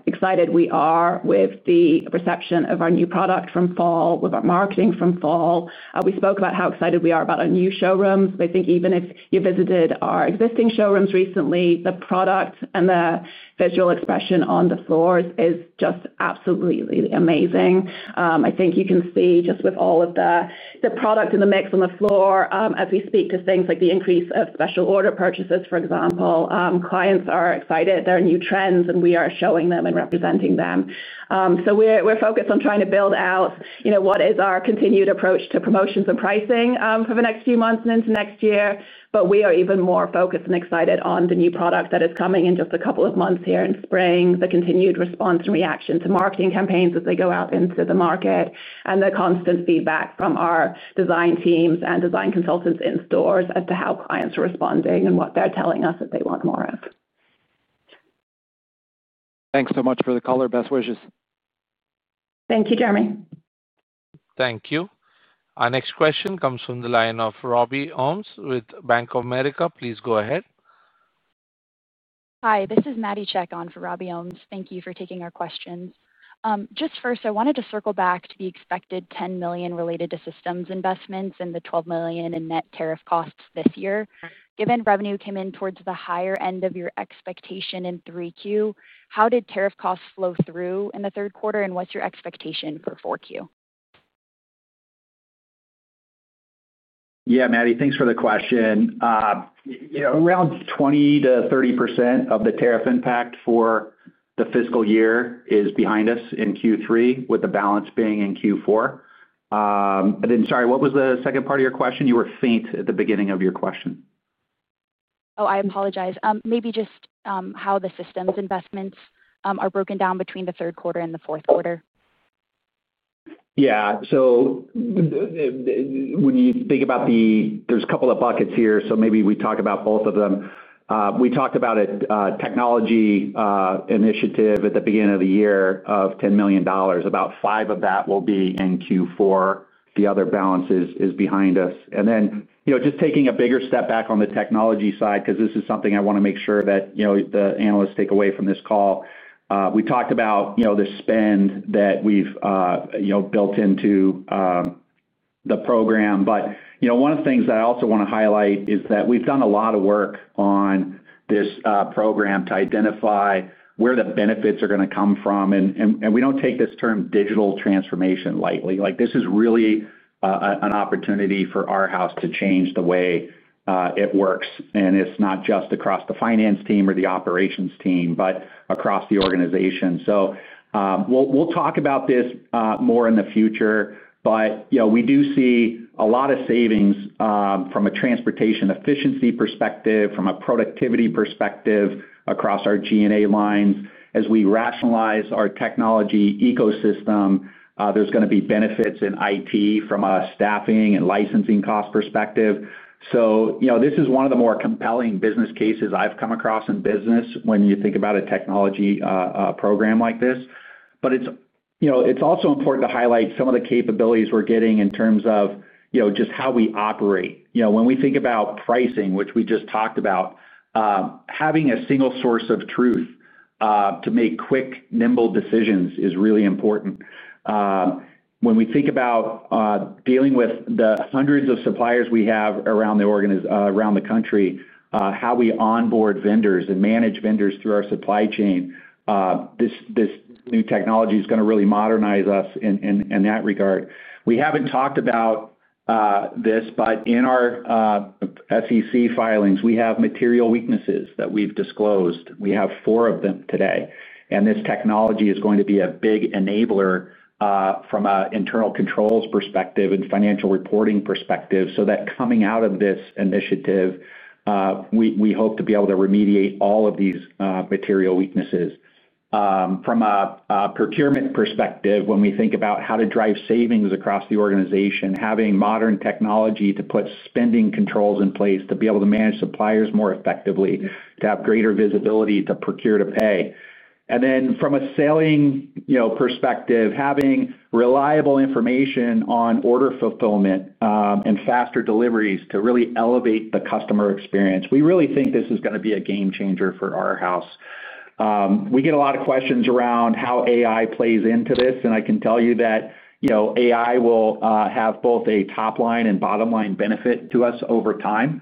excited we are with the perception of our new product from fall, with our marketing from fall. We spoke about how excited we are about our new showrooms. I think even if you visited our existing showrooms recently, the product and the visual expression on the floors is just absolutely amazing. I think you can see just with all of the product in the mix on the floor, as we speak to things like the increase of special order purchases, for example, clients are excited. There are new trends, and we are showing them and representing them. We are focused on trying to build out what is our continued approach to promotions and pricing for the next few months and into next year. We are even more focused and excited on the new product that is coming in just a couple of months here in spring, the continued response and reaction to marketing campaigns as they go out into the market, and the constant feedback from our design teams and design consultants in stores as to how clients are responding and what they are telling us that they want more of. Thanks so much for the call. Best wishes. Thank you, Jeremy. Thank you. Our next question comes from the line of Robbie Ohmes with Bank of America. Please go ahead. Hi. This is Maddie Chai on for Robbie Ohmes. Thank you for taking our questions. Just first, I wanted to circle back to the expected $10 million related to systems investments and the $12 million in net tariff costs this year. Given revenue came in towards the higher end of your expectation in 3Q, how did tariff costs flow through in the third quarter, and what's your expectation for 4Q? Yeah, Maddie, thanks for the question. Around 20%-30% of the tariff impact for the fiscal year is behind us in Q3, with the balance being in Q4. And then, sorry, what was the second part of your question? You were faint at the beginning of your question. Oh, I apologize. Maybe just how the systems investments are broken down between the third quarter and the fourth quarter. Yeah. When you think about the there's a couple of buckets here, so maybe we talk about both of them. We talked about a technology initiative at the beginning of the year of $10 million. About five of that will be in Q4. The other balance is behind us. And then just taking a bigger step back on the technology side, because this is something I want to make sure that the analysts take away from this call, we talked about the spend that we've built into the program. But one of the things that I also want to highlight is that we've done a lot of work on this program to identify where the benefits are going to come from. We don't take this term digital transformation lightly. This is really an opportunity for Arhaus to change the way it works. It is not just across the finance team or the operations team, but across the organization. We will talk about this more in the future, but we do see a lot of savings from a transportation efficiency perspective, from a productivity perspective across our G&A lines. As we rationalize our technology ecosystem, there are going to be benefits in IT from a staffing and licensing cost perspective. This is one of the more compelling business cases I have come across in business when you think about a technology program like this. It is also important to highlight some of the capabilities we are getting in terms of just how we operate. When we think about pricing, which we just talked about, having a single source of truth to make quick, nimble decisions is really important. When we think about. Dealing with the hundreds of suppliers we have around the country, how we onboard vendors and manage vendors through our supply chain. This new technology is going to really modernize us in that regard. We have not talked about this, but in our SEC filings, we have material weaknesses that we have disclosed. We have four of them today. This technology is going to be a big enabler from an internal controls perspective and financial reporting perspective so that coming out of this initiative, we hope to be able to remediate all of these material weaknesses. From a procurement perspective, when we think about how to drive savings across the organization, having modern technology to put spending controls in place to be able to manage suppliers more effectively, to have greater visibility to procure to pay. From a selling perspective, having reliable information on order fulfillment and faster deliveries to really elevate the customer experience, we really think this is going to be a game changer for Arhaus. We get a lot of questions around how AI plays into this. I can tell you that AI will have both a top-line and bottom-line benefit to us over time.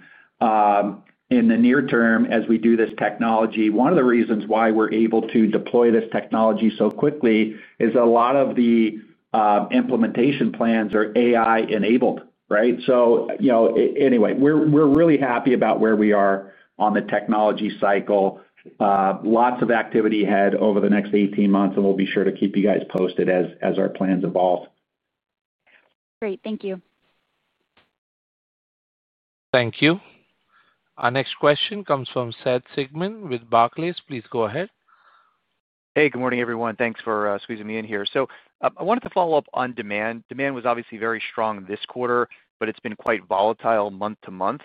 In the near term, as we do this technology, one of the reasons why we're able to deploy this technology so quickly is a lot of the implementation plans are AI-enabled, right? Anyway, we're really happy about where we are on the technology cycle. Lots of activity ahead over the next 18 months, and we'll be sure to keep you guys posted as our plans evolve. Great. Thank you. Thank you. Our next question comes from Seth Sigman with Barclays. Please go ahead. Hey, good morning, everyone. Thanks for squeezing me in here. I wanted to follow up on demand. Demand was obviously very strong this quarter, but it's been quite volatile month to month.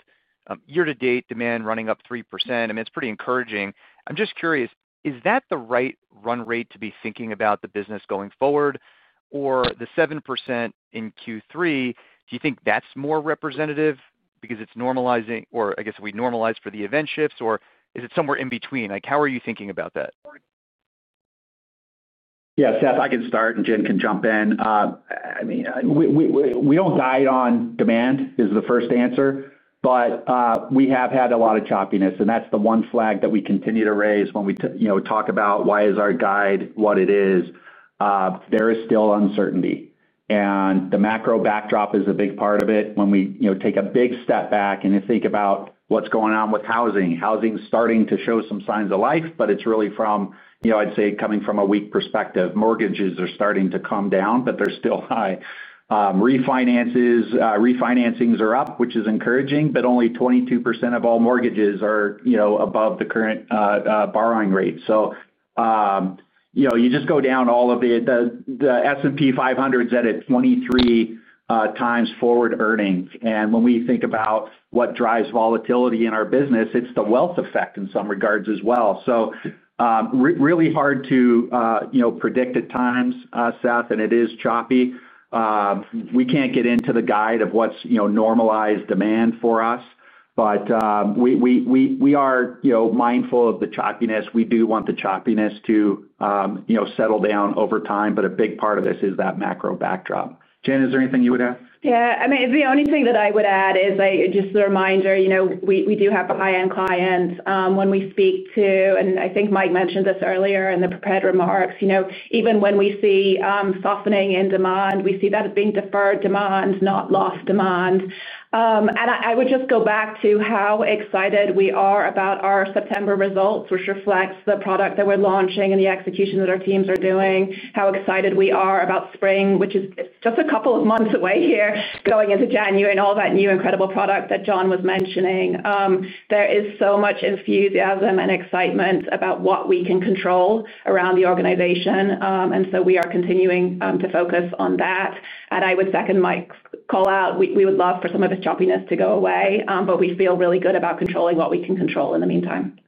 Year to date, demand running up 3%. I mean, it's pretty encouraging. I'm just curious, is that the right run rate to be thinking about the business going forward? Or the 7% in Q3, do you think that's more representative because it's normalizing, or I guess we normalize for the event shifts, or is it somewhere in between? How are you thinking about that? Yeah, Seth, I can start, and Jen can jump in. I mean, we don't guide on demand is the first answer, but we have had a lot of choppiness, and that's the one flag that we continue to raise when we talk about why is our guide what it is. There is still uncertainty. The macro backdrop is a big part of it. When we take a big step back and think about what is going on with housing, housing is starting to show some signs of life, but it is really from, I would say, coming from a weak perspective. Mortgages are starting to come down, but they are still high. Refinancings are up, which is encouraging, but only 22% of all mortgages are above the current borrowing rate. You just go down all of the S&P 500's at a 23 times forward earning. When we think about what drives volatility in our business, it is the wealth effect in some regards as well. Really hard to predict at times, Seth, and it is choppy. We cannot get into the guide of what is normalized demand for us, but we are mindful of the choppiness. We do want the choppiness to. Settle down over time, but a big part of this is that macro backdrop. Jen, is there anything you would add? Yeah. I mean, the only thing that I would add is just a reminder. We do have high-end clients who we speak to, and I think Mike mentioned this earlier in the prepared remarks, even when we see softening in demand, we see that as being deferred demand, not lost demand. I would just go back to how excited we are about our September results, which reflects the product that we're launching and the execution that our teams are doing, how excited we are about spring, which is just a couple of months away here, going into January, and all that new incredible product that John was mentioning. There is so much enthusiasm and excitement about what we can control around the organization. We are continuing to focus on that. I would second Mike's call out. We would love for some of the choppiness to go away, but we feel really good about controlling what we can control in the meantime.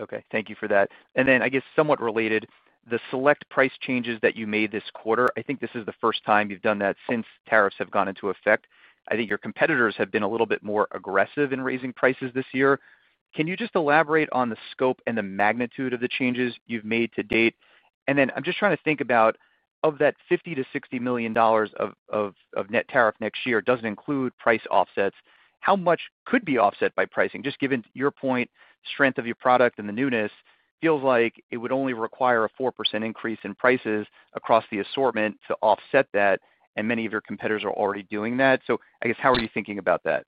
Okay. Thank you for that. I guess, somewhat related, the select price changes that you made this quarter, I think this is the first time you've done that since tariffs have gone into effect. I think your competitors have been a little bit more aggressive in raising prices this year. Can you just elaborate on the scope and the magnitude of the changes you've made to date? I'm just trying to think about, of that $50 million-$60 million of net tariff next year, does not include price offsets, how much could be offset by pricing? Just given your point, strength of your product and the newness, feels like it would only require a 4% increase in prices across the assortment to offset that, and many of your competitors are already doing that. I guess, how are you thinking about that?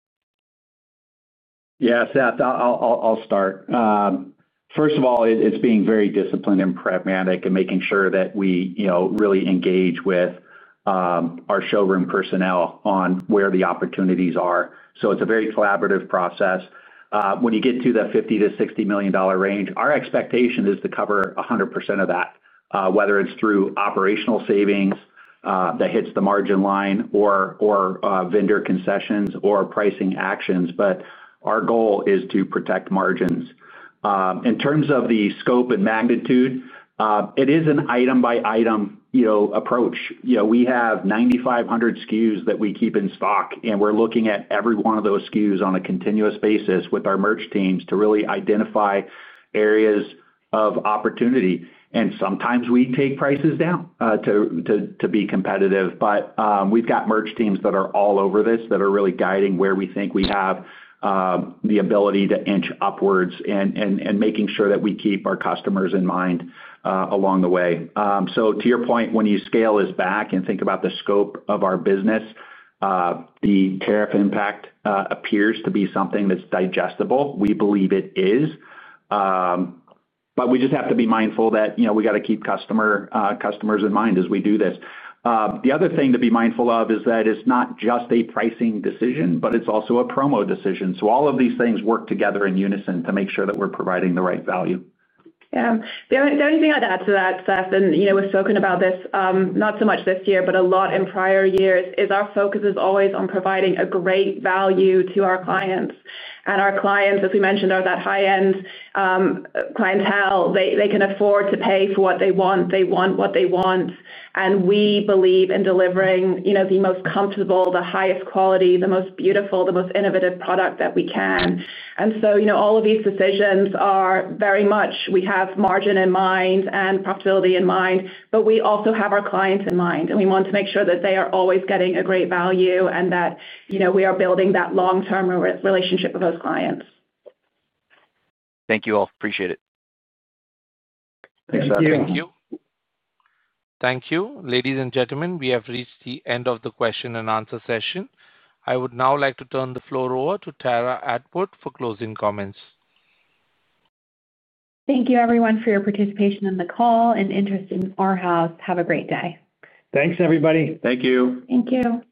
Yeah, Seth, I'll start. First of all, it's being very disciplined and pragmatic and making sure that we really engage with our showroom personnel on where the opportunities are. It's a very collaborative process. When you get to the $50 million-$60 million range, our expectation is to cover 100% of that, whether it's through operational savings that hits the margin line or vendor concessions or pricing actions. Our goal is to protect margins. In terms of the scope and magnitude, it is an item-by-item approach. We have 9,500 SKUs that we keep in stock, and we're looking at every one of those SKUs on a continuous basis with our merch teams to really identify areas of opportunity. Sometimes we take prices down to be competitive, but we've got merch teams that are all over this that are really guiding where we think we have the ability to inch upwards and making sure that we keep our customers in mind along the way. To your point, when you scale this back and think about the scope of our business, the tariff impact appears to be something that's digestible. We believe it is. We just have to be mindful that we got to keep customers in mind as we do this. The other thing to be mindful of is that it's not just a pricing decision, but it's also a promo decision. All of these things work together in unison to make sure that we're providing the right value. The only thing I'd add to that, Seth, and we've spoken about this not so much this year, but a lot in prior years, is our focus is always on providing a great value to our clients. And our clients, as we mentioned, are that high-end clientele. They can afford to pay for what they want. They want what they want. We believe in delivering the most comfortable, the highest quality, the most beautiful, the most innovative product that we can. All of these decisions are very much we have margin in mind and profitability in mind, but we also have our clients in mind. We want to make sure that they are always getting a great value and that we are building that long-term relationship with those clients. Thank you all. Appreciate it. Thanks, Seth. Thank you. Thank you. Ladies and gentlemen, we have reached the end of the question and answer session. I would now like to turn the floor over to Tara Atwood for closing comments. Thank you, everyone, for your participation in the call and interest in Arhaus. Have a great day. Thanks, everybody. Thank you. Thank you.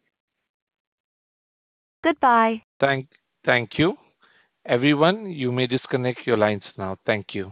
Goodbye. Thank you. Everyone, you may disconnect your lines now. Thank you.